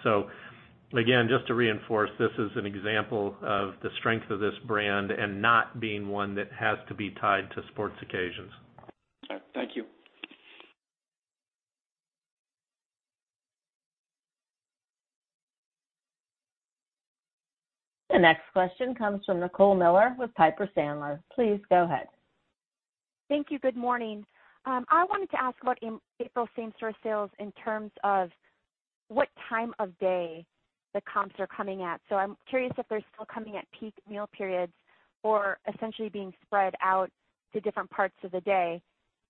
Again, just to reinforce, this is an example of the strength of this brand and not being one that has to be tied to sports occasions. All right. Thank you. The next question comes from Nicole Miller with Piper Sandler. Please go ahead. Thank you. Good morning. I wanted to ask about April same-store sales in terms of what time of day the comps are coming at. I'm curious if they're still coming at peak meal periods or essentially being spread out to different parts of the day.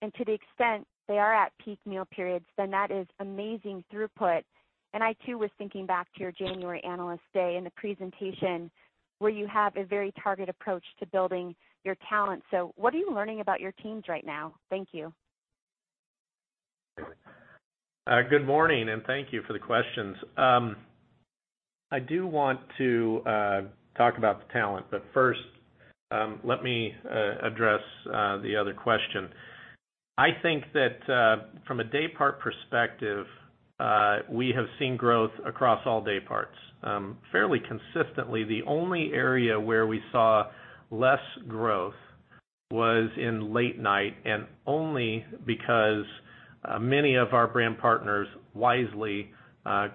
To the extent they are at peak meal periods, that is amazing throughput. I too was thinking back to your January Analyst Day and the presentation where you have a very targeted approach to building your talent. What are you learning about your teams right now? Thank you. Good morning. Thank you for the questions. I do want to talk about the talent. First, let me address the other question. I think that from a day part perspective, we have seen growth across all day parts. Fairly consistently, the only area where we saw less growth was in late night, only because many of our brand partners wisely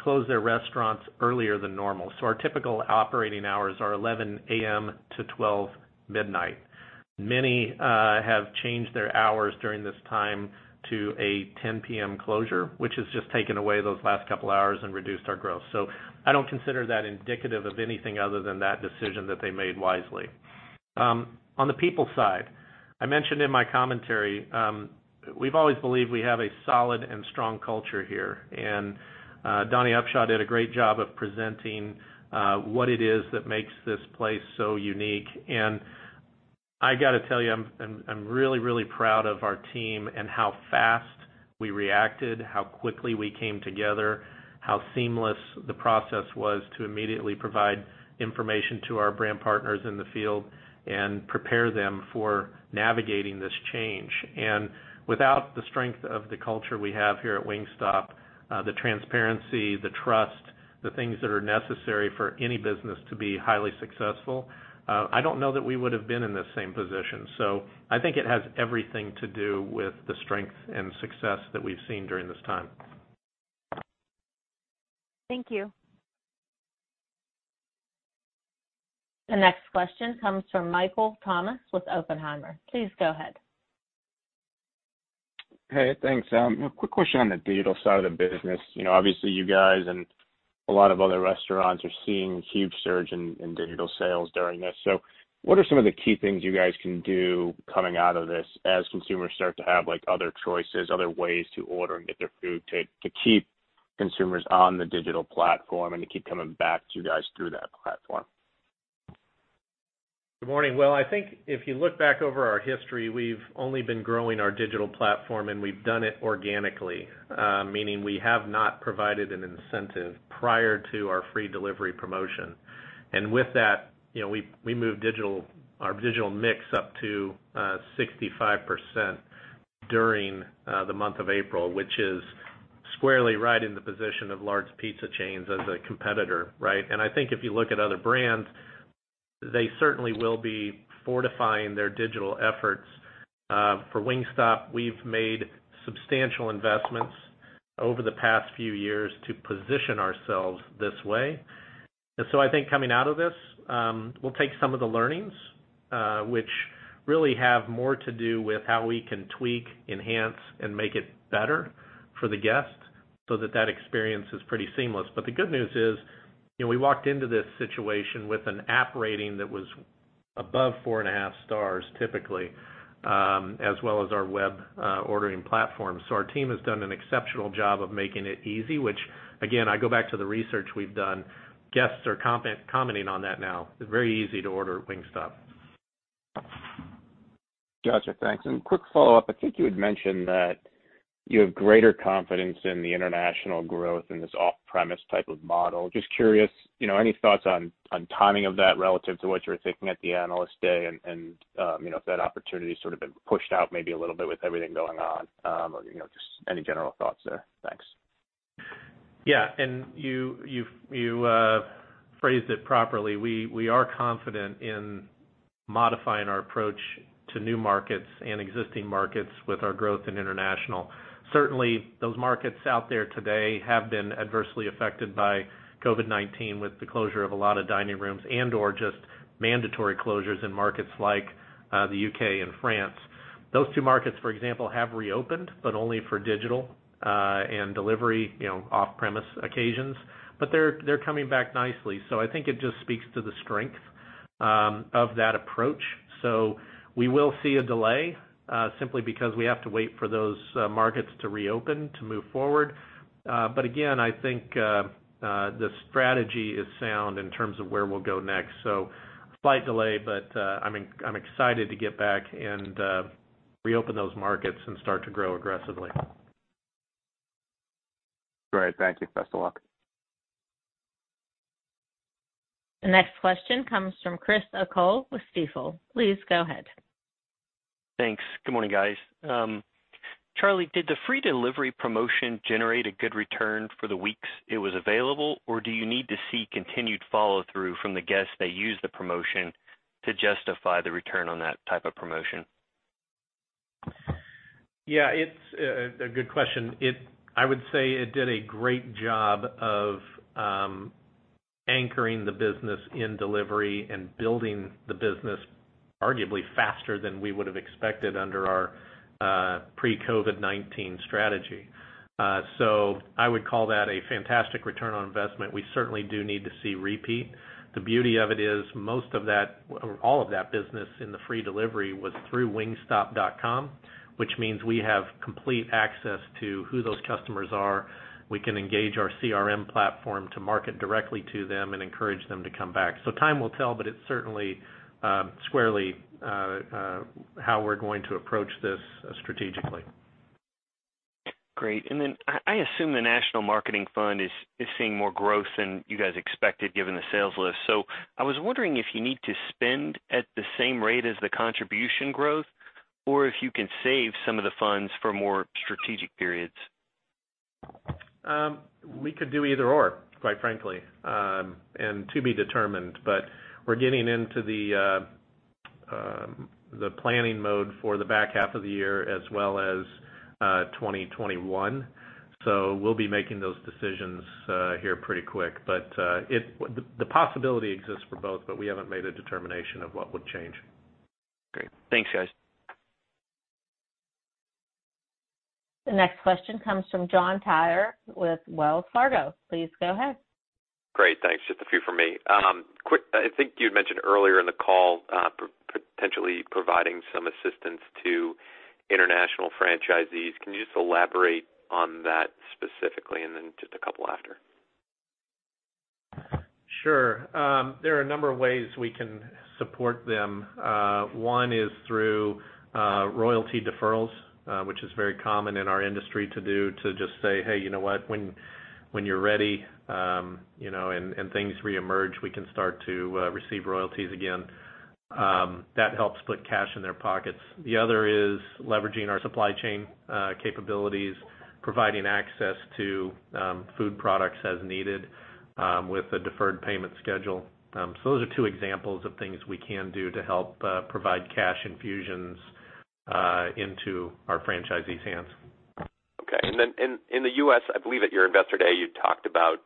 closed their restaurants earlier than normal. Our typical operating hours are 11:00 A.M. to 12:00 midnight. Many have changed their hours during this time to a 10:00 P.M. closure, which has just taken away those last couple of hours and reduced our growth. I don't consider that indicative of anything other than that decision that they made wisely. On the people side, I mentioned in my commentary, we've always believed we have a solid and strong culture here. Donnie Upshaw did a great job of presenting what it is that makes this place so unique. I got to tell you, I'm really proud of our team and how fast we reacted, how quickly we came together, how seamless the process was to immediately provide information to our brand partners in the field and prepare them for navigating this change. Without the strength of the culture we have here at Wingstop, the transparency, the trust, the things that are necessary for any business to be highly successful, I don't know that we would have been in this same position. I think it has everything to do with the strength and success that we've seen during this time. Thank you. The next question comes from Michael Tamas with Oppenheimer. Please go ahead. Hey, thanks. A quick question on the digital side of the business. Obviously, you guys and a lot of other restaurants are seeing a huge surge in digital sales during this. What are some of the key things you guys can do coming out of this as consumers start to have other choices, other ways to order and get their food to keep consumers on the digital platform and to keep coming back to you guys through that platform? Good morning. Well, I think if you look back over our history, we've only been growing our digital platform, and we've done it organically, meaning we have not provided an incentive prior to our free delivery promotion. With that, we moved our digital mix up to 65% during the month of April, which is squarely right in the position of large pizza chains as a competitor, right? I think if you look at other brands, they certainly will be fortifying their digital efforts. For Wingstop, we've made substantial investments over the past few years to position ourselves this way. I think coming out of this, we'll take some of the learnings, which really have more to do with how we can tweak, enhance, and make it better for the guest so that that experience is pretty seamless. The good news is, we walked into this situation with an app rating that was above 4.5 stars, typically, as well as our web ordering platform. Our team has done an exceptional job of making it easy, which again, I go back to the research we've done. Guests are commenting on that now. It's very easy to order Wingstop. Got you. Thanks. Quick follow-up, I think you had mentioned that you have greater confidence in the international growth in this off-premise type of model. Just curious, any thoughts on timing of that relative to what you were thinking at the Analyst Day and if that opportunity's sort of been pushed out maybe a little bit with everything going on? Just any general thoughts there. Thanks. Yeah. You phrased it properly. We are confident in modifying our approach to new markets and existing markets with our growth in international. Certainly, those markets out there today have been adversely affected by COVID-19 with the closure of a lot of dining rooms and/or just mandatory closures in markets like the U.K. and France. Those two markets, for example, have reopened, but only for digital and delivery off-premise occasions. They're coming back nicely. I think it just speaks to the strength of that approach. We will see a delay, simply because we have to wait for those markets to reopen to move forward. Again, I think the strategy is sound in terms of where we'll go next. A slight delay, but I'm excited to get back and reopen those markets and start to grow aggressively. Great. Thank you. Best of luck. The next question comes from Chris O'Cull with Stifel. Please go ahead. Thanks. Good morning, guys. Charlie, did the free delivery promotion generate a good return for the weeks it was available, or do you need to see continued follow-through from the guests that used the promotion to justify the return on that type of promotion? Yeah, it's a good question. I would say it did a great job of anchoring the business in delivery and building the business arguably faster than we would have expected under our pre-COVID-19 strategy. I would call that a fantastic return on investment. We certainly do need to see repeat. The beauty of it is all of that business in the free delivery was through wingstop.com, which means we have complete access to who those customers are. We can engage our CRM platform to market directly to them and encourage them to come back. Time will tell, but it's certainly squarely how we're going to approach this strategically. Great. I assume the National Marketing Fund is seeing more growth than you guys expected given the sales lift. I was wondering if you need to spend at the same rate as the contribution growth, or if you can save some of the funds for more strategic periods. We could do either/or, quite frankly, and to be determined. We're getting into the planning mode for the back half of the year as well as 2021. We'll be making those decisions here pretty quick. The possibility exists for both, but we haven't made a determination of what would change. Great. Thanks, guys. The next question comes from Jon Tower with Wells Fargo. Please go ahead. Great. Thanks. Just a few from me. I think you had mentioned earlier in the call, potentially providing some assistance to international franchisees. Can you just elaborate on that specifically? Just a couple after. Sure. There are a number of ways we can support them. One is through royalty deferrals, which is very common in our industry to do to just say, "Hey, you know what? When you're ready, and things reemerge, we can start to receive royalties again." That helps put cash in their pockets. The other is leveraging our supply chain capabilities, providing access to food products as needed with a deferred payment schedule. Those are two examples of things we can do to help provide cash infusions into our franchisees' hands. In the U.S., I believe at your investor day, you talked about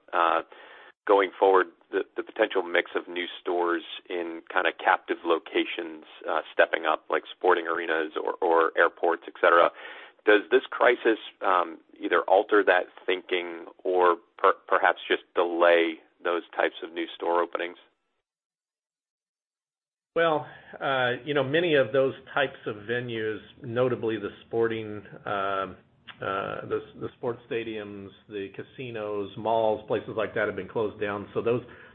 going forward, the potential mix of new stores in kind of captive locations, stepping up like sporting arenas or airports, et cetera. Does this crisis either alter that thinking or perhaps just delay those types of new store openings? Well, many of those types of venues, notably the sports stadiums, the casinos, malls, places like that, have been closed down.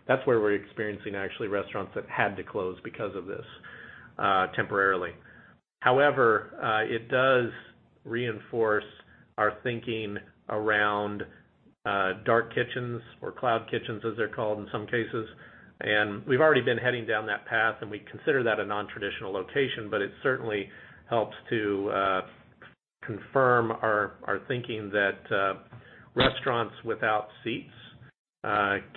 That's where we're experiencing actually restaurants that had to close because of this temporarily. However, it does reinforce our thinking around dark kitchens or cloud kitchens, as they're called in some cases, and we've already been heading down that path, and we consider that a non-traditional location, but it certainly helps to confirm our thinking that restaurants without seats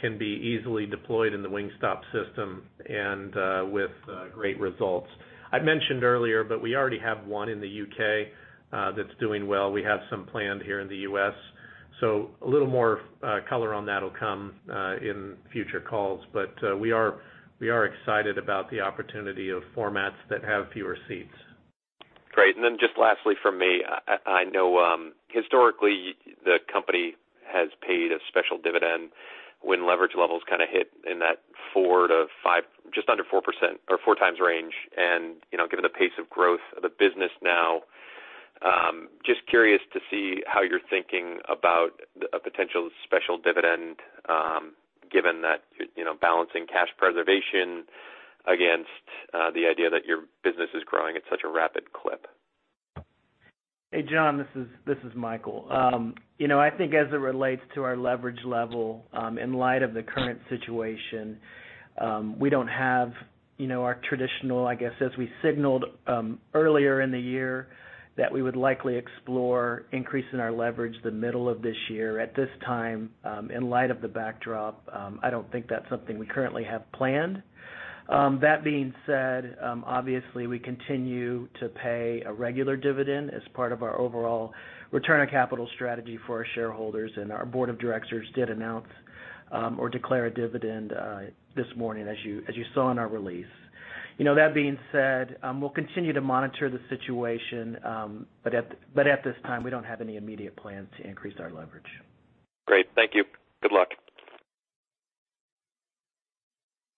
can be easily deployed in the Wingstop system and with great results. I mentioned earlier, but we already have one in the U.K. that's doing well. We have some planned here in the U.S., so a little more color on that'll come in future calls. We are excited about the opportunity of formats that have fewer seats. Great. Then just lastly from me, I know historically the company has paid a special dividend when leverage levels hit in that four to five, just under 4% or 4x range. Given the pace of growth of the business now, just curious to see how you're thinking about a potential special dividend, given that balancing cash preservation against the idea that your business is growing at such a rapid clip. Hey, Jon, this is Michael. I think as it relates to our leverage level, in light of the current situation, we don't have our traditional, I guess, as we signaled earlier in the year that we would likely explore increasing our leverage the middle of this year. At this time, in light of the backdrop, I don't think that's something we currently have planned. That being said, obviously we continue to pay a regular dividend as part of our overall return on capital strategy for our shareholders, and our Board of Directors did announce or declare a dividend this morning, as you saw in our release. That being said, we'll continue to monitor the situation. At this time, we don't have any immediate plans to increase our leverage. Great. Thank you. Good luck.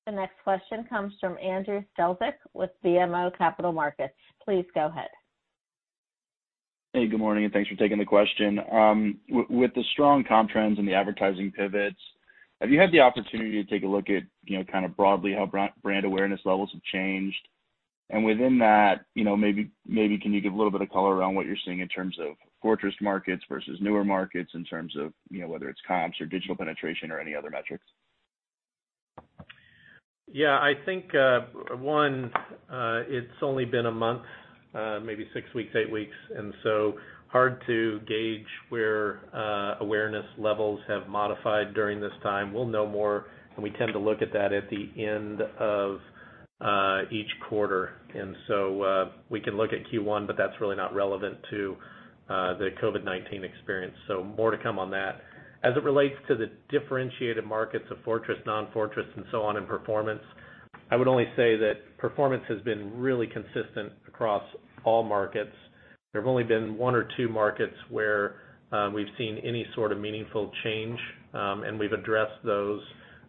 The next question comes from Andrew Strelzik with BMO Capital Markets. Please go ahead. Hey, good morning and thanks for taking the question. With the strong comp trends and the advertising pivots, have you had the opportunity to take a look at kind of broadly how brand awareness levels have changed? Within that, maybe can you give a little bit of color around what you're seeing in terms of fortress markets versus newer markets in terms of whether it's comps or digital penetration or any other metrics? I think, one, it's only been a month, maybe six weeks, eight weeks, and so hard to gauge where awareness levels have modified during this time. We'll know more, and we tend to look at that at the end of each quarter. We can look at Q1, but that's really not relevant to the COVID-19 experience, so more to come on that. As it relates to the differentiated markets of fortress, non-fortress, and so on in performance, I would only say that performance has been really consistent across all markets. There have only been one or two markets where we've seen any sort of meaningful change, and we've addressed those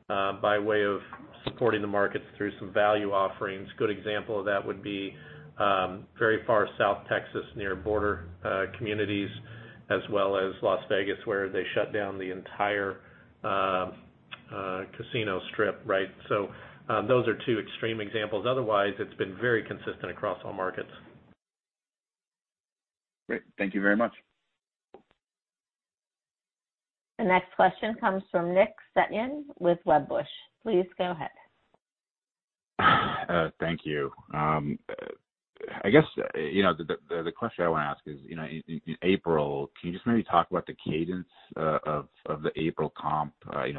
by way of supporting the markets through some value offerings. Good example of that would be very far south Texas, near border communities, as well as Las Vegas, where they shut down the entire casino strip, right? Those are two extreme examples. Otherwise, it's been very consistent across all markets. Great. Thank you very much. The next question comes from Nick Setyan with Wedbush. Please go ahead. Thank you. I guess, the question I want to ask is, in April, can you just maybe talk about the cadence of the April comp?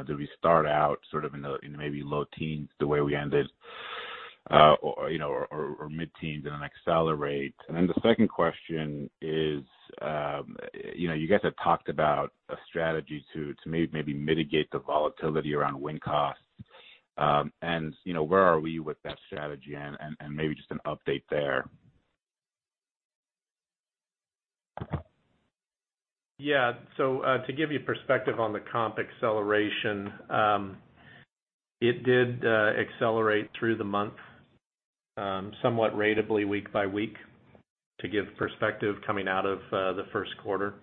Did we start out sort of in the maybe low teens, the way we ended, or mid-teens and then accelerate? The second question is, you guys have talked about a strategy to maybe mitigate the volatility around wing costs. Where are we with that strategy? Maybe just an update there. To give you perspective on the comp acceleration, it did accelerate through the month, somewhat ratably week by week to give perspective coming out of the first quarter.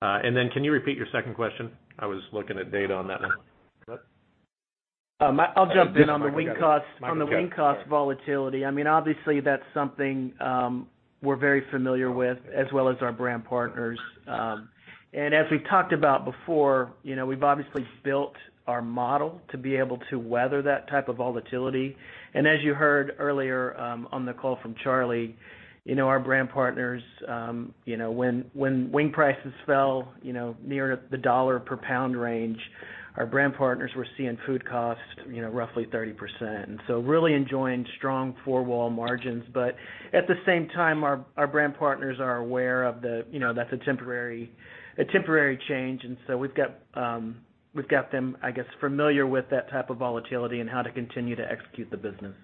Can you repeat your second question? I was looking at data on that one. I'll jump in on the wing cost volatility. I mean, obviously, that's something we're very familiar with, as well as our brand partners. As we talked about before, we've obviously built our model to be able to weather that type of volatility. As you heard earlier on the call from Charlie, our brand partners, when wing prices fell near the $1 per pound range, our brand partners were seeing food costs roughly 30%. Really enjoying strong four-wall margins. At the same time, our brand partners are aware that's a temporary change, and so we've got them, I guess, familiar with that type of volatility and how to continue to execute the business.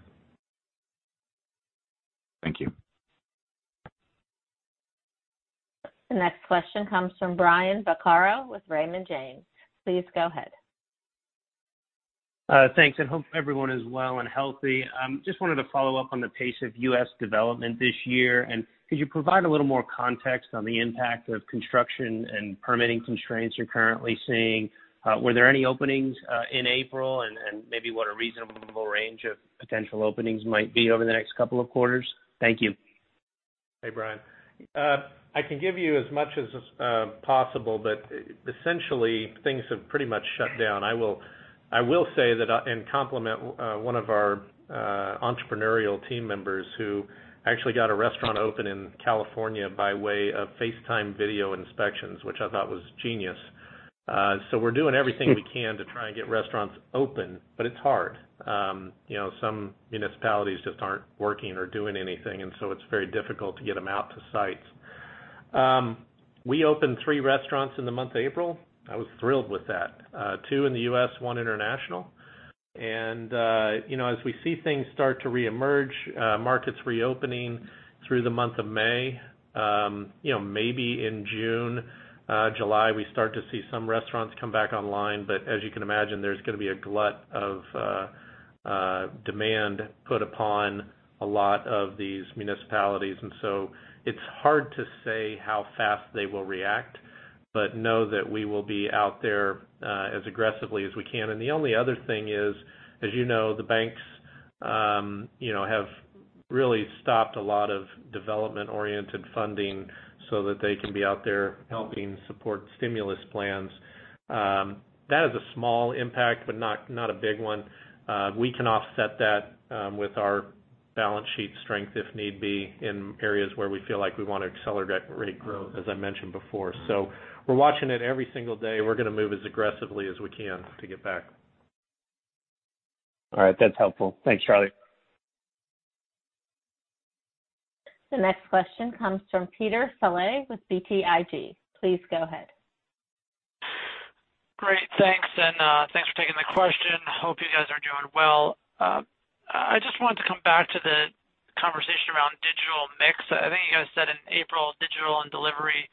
Thank you. The next question comes from Brian Vaccaro with Raymond James. Please go ahead. Thanks. Hope everyone is well and healthy. Just wanted to follow up on the pace of U.S. development this year. Could you provide a little more context on the impact of construction and permitting constraints you're currently seeing? Were there any openings in April, and maybe what a reasonable range of potential openings might be over the next couple of quarters? Thank you. Hey, Brian. I can give you as much as possible. Essentially, things have pretty much shut down. I will say that. Compliment one of our entrepreneurial team members who actually got a restaurant open in California by way of FaceTime video inspections, which I thought was genius. We're doing everything we can to try and get restaurants open, but it's hard. Some municipalities just aren't working or doing anything. It's very difficult to get them out to sites. We opened three restaurants in the month of April. I was thrilled with that. Two in the U.S., one international. As we see things start to reemerge, markets reopening through the month of May, maybe in June, July, we start to see some restaurants come back online. As you can imagine, there's going to be a glut of demand put upon a lot of these municipalities. It's hard to say how fast they will react, but know that we will be out there as aggressively as we can. The only other thing is, as you know, the banks have really stopped a lot of development-oriented funding so that they can be out there helping support stimulus plans. That is a small impact, but not a big one. We can offset that with our balance sheet strength if need be in areas where we feel like we want to accelerate growth, as I mentioned before. We're watching it every single day. We're going to move as aggressively as we can to get back. All right. That's helpful. Thanks, Charlie. The next question comes from Peter Saleh with BTIG. Please go ahead. Great. Thanks, and thanks for taking the question. Hope you guys are doing well. I just wanted to come back to the conversation around digital mix. I think you guys said in April, digital and delivery,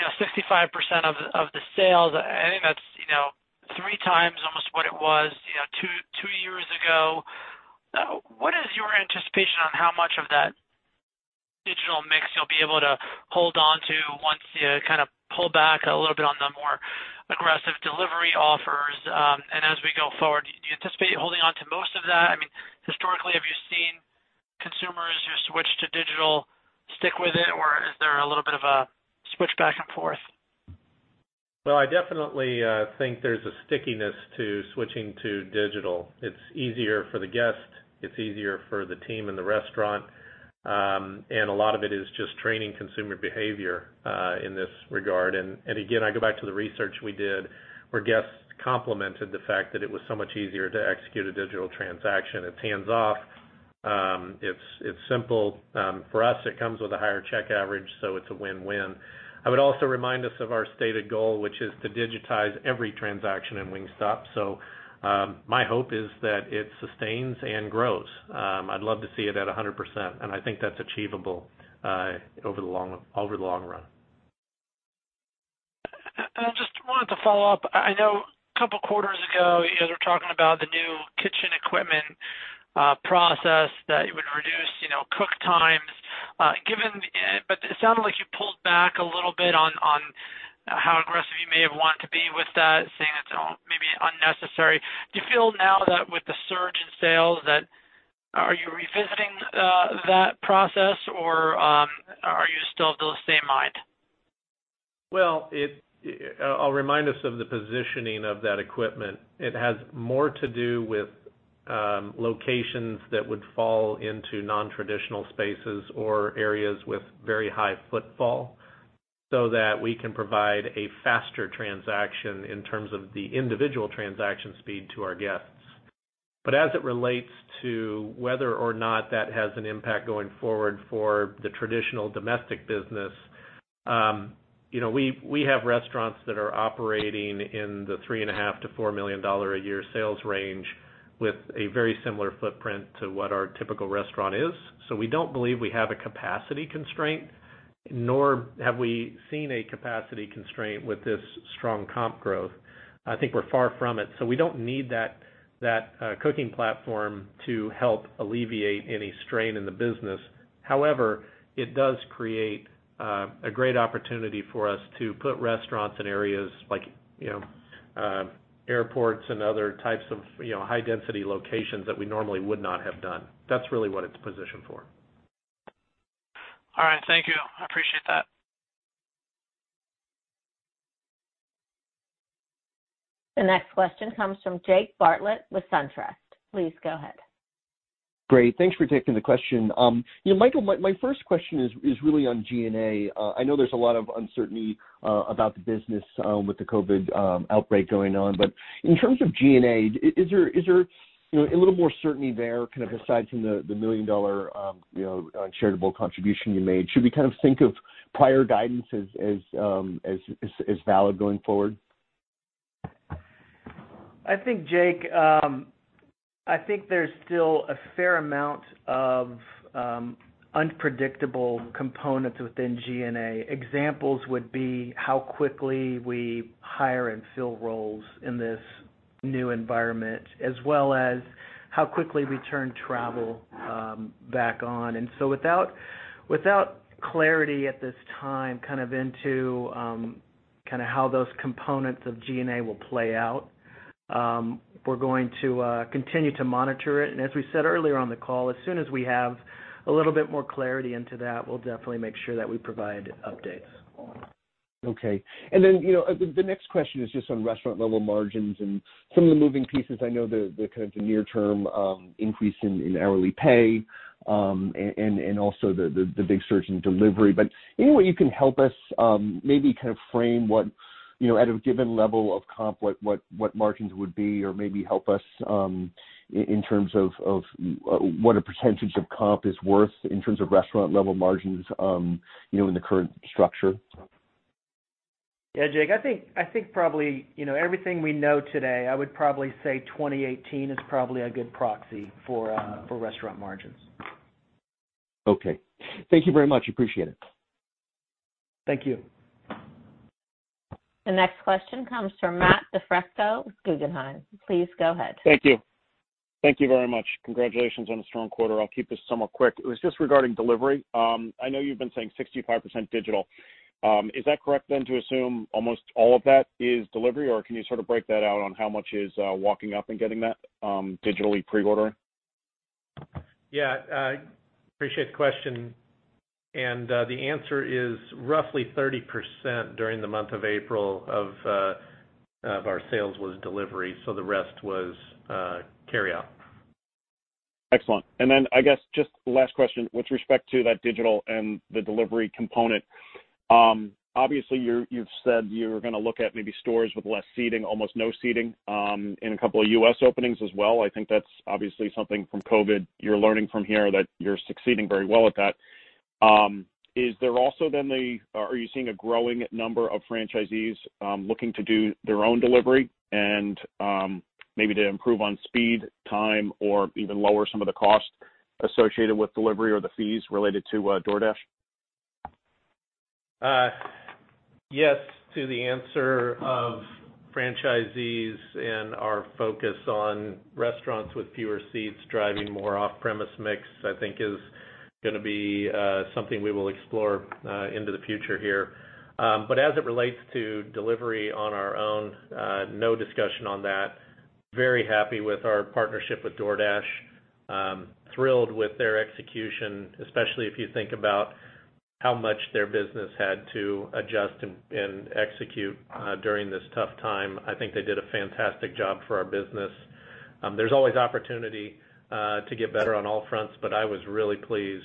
65% of the sales. I think that's three times almost what it was two years ago. What is your anticipation on how much of that digital mix you'll be able to hold on to once you pull back a little bit on the more aggressive delivery offers? As we go forward, do you anticipate holding on to most of that? Historically, have you seen consumers who switch to digital stick with it, or is there a little bit of a switch back and forth? Well, I definitely think there's a stickiness to switching to digital. It's easier for the guest, it's easier for the team in the restaurant. A lot of it is just training consumer behavior in this regard. Again, I go back to the research we did where guests complimented the fact that it was so much easier to execute a digital transaction. It's hands-off. It's simple. For us, it comes with a higher check average, so it's a win-win. I would also remind us of our stated goal, which is to digitize every transaction in Wingstop. My hope is that it sustains and grows. I'd love to see it at 100%, and I think that's achievable over the long run. I just wanted to follow up. I know a couple of quarters ago, you guys were talking about the new kitchen equipment process that it would reduce cook times. It sounded like you pulled back a little bit on how aggressive you may have wanted to be with that, saying it's maybe unnecessary. Do you feel now that with the surge in sales, are you revisiting that process, or are you still of the same mind? I'll remind us of the positioning of that equipment. It has more to do with locations that would fall into non-traditional spaces or areas with very high footfall so that we can provide a faster transaction in terms of the individual transaction speed to our guests. As it relates to whether or not that has an impact going forward for the traditional domestic business, we have restaurants that are operating in the $3.5 million-$4 million a year sales range with a very similar footprint to what our typical restaurant is. We don't believe we have a capacity constraint, nor have we seen a capacity constraint with this strong comp growth. I think we're far from it. We don't need that cooking platform to help alleviate any strain in the business. It does create a great opportunity for us to put restaurants in areas like airports and other types of high-density locations that we normally would not have done. That's really what it's positioned for. All right. Thank you. I appreciate that. The next question comes from Jake Bartlett with SunTrust. Please go ahead. Great. Thanks for taking the question. Michael, my first question is really on G&A. I know there's a lot of uncertainty about the business with the COVID outbreak going on. In terms of G&A, is there a little more certainty there, kind of aside from the $1 million charitable contribution you made? Should we kind of think of prior guidance as valid going forward? I think, Jake, there's still a fair amount of unpredictable components within G&A. Examples would be how quickly we hire and fill roles in this new environment, as well as how quickly we turn travel back on. Without clarity at this time into how those components of G&A will play out, we're going to continue to monitor it. As we said earlier on the call, as soon as we have a little bit more clarity into that, we'll definitely make sure that we provide updates. Okay. The next question is just on restaurant-level margins and some of the moving pieces. I know the kind of near term increase in hourly pay, and also the big surge in delivery. Any way you can help us maybe kind of frame what, at a given level of comp, what margins would be, or maybe help us in terms of what a percentage of comp is worth in terms of restaurant-level margins, in the current structure? Yeah, Jake. I think probably everything we know today, I would probably say 2018 is probably a good proxy for restaurant margins. Okay. Thank you very much. Appreciate it. Thank you. The next question comes from Matt DiFrisco with Guggenheim. Please go ahead. Thank you. Thank you very much. Congratulations on a strong quarter. I'll keep this somewhat quick. It was just regarding delivery. I know you've been saying 65% digital. Is that correct then to assume almost all of that is delivery, or can you sort of break that out on how much is walking up and getting that digitally pre-ordering? Yeah. Appreciate the question. The answer is roughly 30% during the month of April of our sales was delivery, so the rest was carryout. Excellent. I guess just the last question, with respect to that digital and the delivery component, obviously you've said you're going to look at maybe stores with less seating, almost no seating, in a couple of U.S. openings as well. I think that's obviously something from COVID you're learning from here that you're succeeding very well at that. Are you seeing a growing number of franchisees looking to do their own delivery and maybe to improve on speed, time, or even lower some of the cost associated with delivery or the fees related to DoorDash? Yes to the answer of franchisees and our focus on restaurants with fewer seats driving more off-premise mix, I think is going to be something we will explore into the future here. As it relates to delivery on our own, no discussion on that. Very happy with our partnership with DoorDash. Thrilled with their execution, especially if you think about how much their business had to adjust and execute during this tough time. I think they did a fantastic job for our business. There's always opportunity to get better on all fronts, but I was really pleased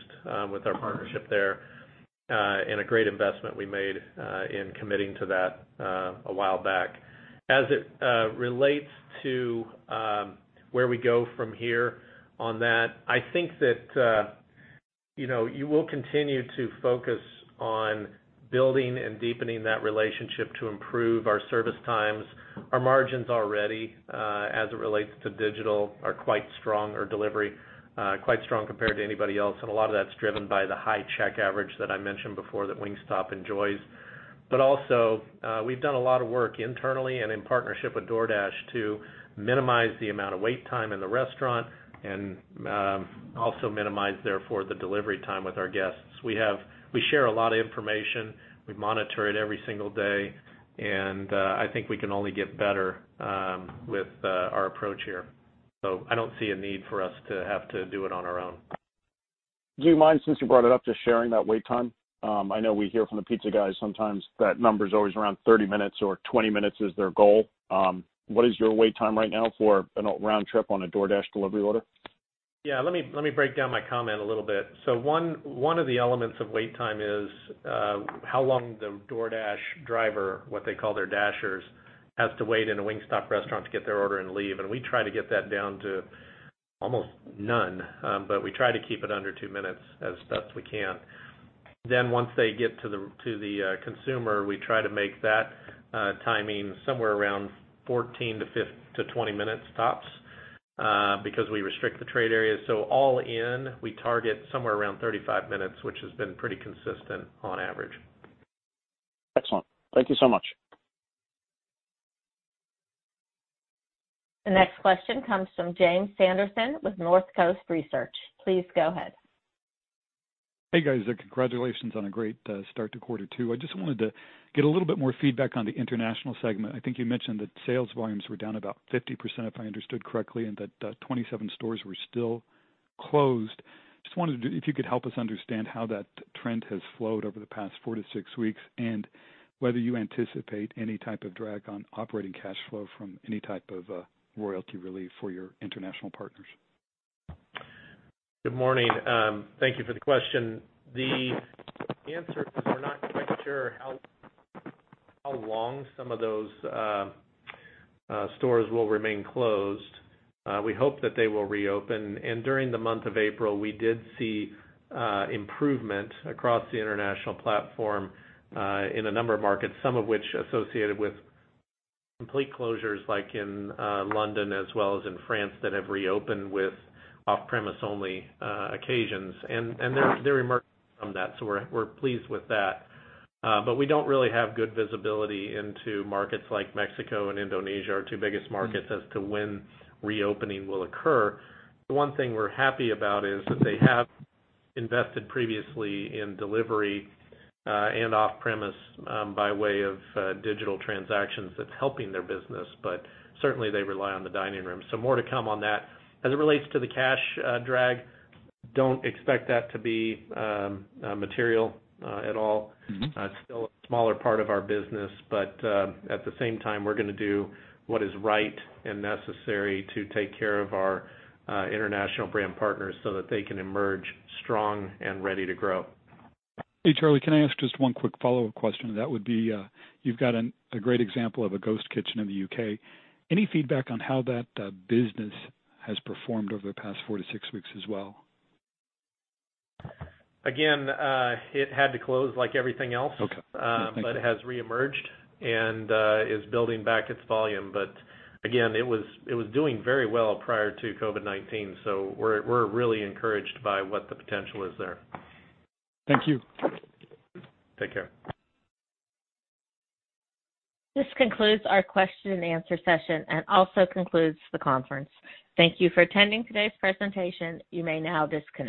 with our partnership there, and a great investment we made in committing to that a while back. As it relates to where we go from here on that, I think that you will continue to focus on building and deepening that relationship to improve our service times. Our margins already, as it relates to digital, are quite strong, or delivery, quite strong compared to anybody else. A lot of that's driven by the high check average that I mentioned before that Wingstop enjoys. Also, we've done a lot of work internally and in partnership with DoorDash to minimize the amount of wait time in the restaurant and also minimize, therefore, the delivery time with our guests. We share a lot of information, we monitor it every single day, and I think we can only get better with our approach here. I don't see a need for us to have to do it on our own. Do you mind, since you brought it up, just sharing that wait time? I know we hear from the pizza guys sometimes. That number's always around 30 minutes or 20 minutes is their goal. What is your wait time right now for a round trip on a DoorDash delivery order? Yeah, let me break down my comment a little bit. One of the elements of wait time is how long the DoorDash driver, what they call their Dashers, has to wait in a Wingstop restaurant to get their order and leave. We try to get that down to almost none, but we try to keep it under two minutes as best we can. Once they get to the consumer, we try to make that timing somewhere around 14-20 minutes tops, because we restrict the trade areas. All in, we target somewhere around 35 minutes, which has been pretty consistent on average. Excellent. Thank you so much. The next question comes from James Sanderson with Northcoast Research. Please go ahead. Hey, guys. Congratulations on a great start to quarter two. I just wanted to get a little bit more feedback on the international segment. I think you mentioned that sales volumes were down about 50%, if I understood correctly, and that 27 stores were still closed. Just wondered if you could help us understand how that trend has flowed over the past four to six weeks, and whether you anticipate any type of drag on operating cash flow from any type of royalty relief for your international partners. Good morning. Thank you for the question. The answer is we're not quite sure how long some of those stores will remain closed. We hope that they will reopen, and during the month of April, we did see improvement across the international platform, in a number of markets, some of which associated with complete closures, like in London as well as in France, that have reopened with off-premise only occasions. They're emerging from that, so we're pleased with that. We don't really have good visibility into markets like Mexico and Indonesia, our two biggest markets, as to when reopening will occur. The one thing we're happy about is that they have invested previously in delivery, and off-premise by way of digital transactions that's helping their business. Certainly they rely on the dining room. More to come on that. As it relates to the cash drag, don't expect that to be material at all. It's still a smaller part of our business. At the same time, we're going to do what is right and necessary to take care of our international brand partners so that they can emerge strong and ready to grow. Hey, Charlie, can I ask just one quick follow-up question? That would be, you've got a great example of a ghost kitchen in the U.K.. Any feedback on how that business has performed over the past four to six weeks as well? Again, it had to close like everything else. Okay. Yeah. Thank you. It has reemerged and is building back its volume. Again, it was doing very well prior to COVID-19, so we're really encouraged by what the potential is there. Thank you. Take care. This concludes our question and answer session and also concludes the conference. Thank you for attending today's presentation. You may now disconnect.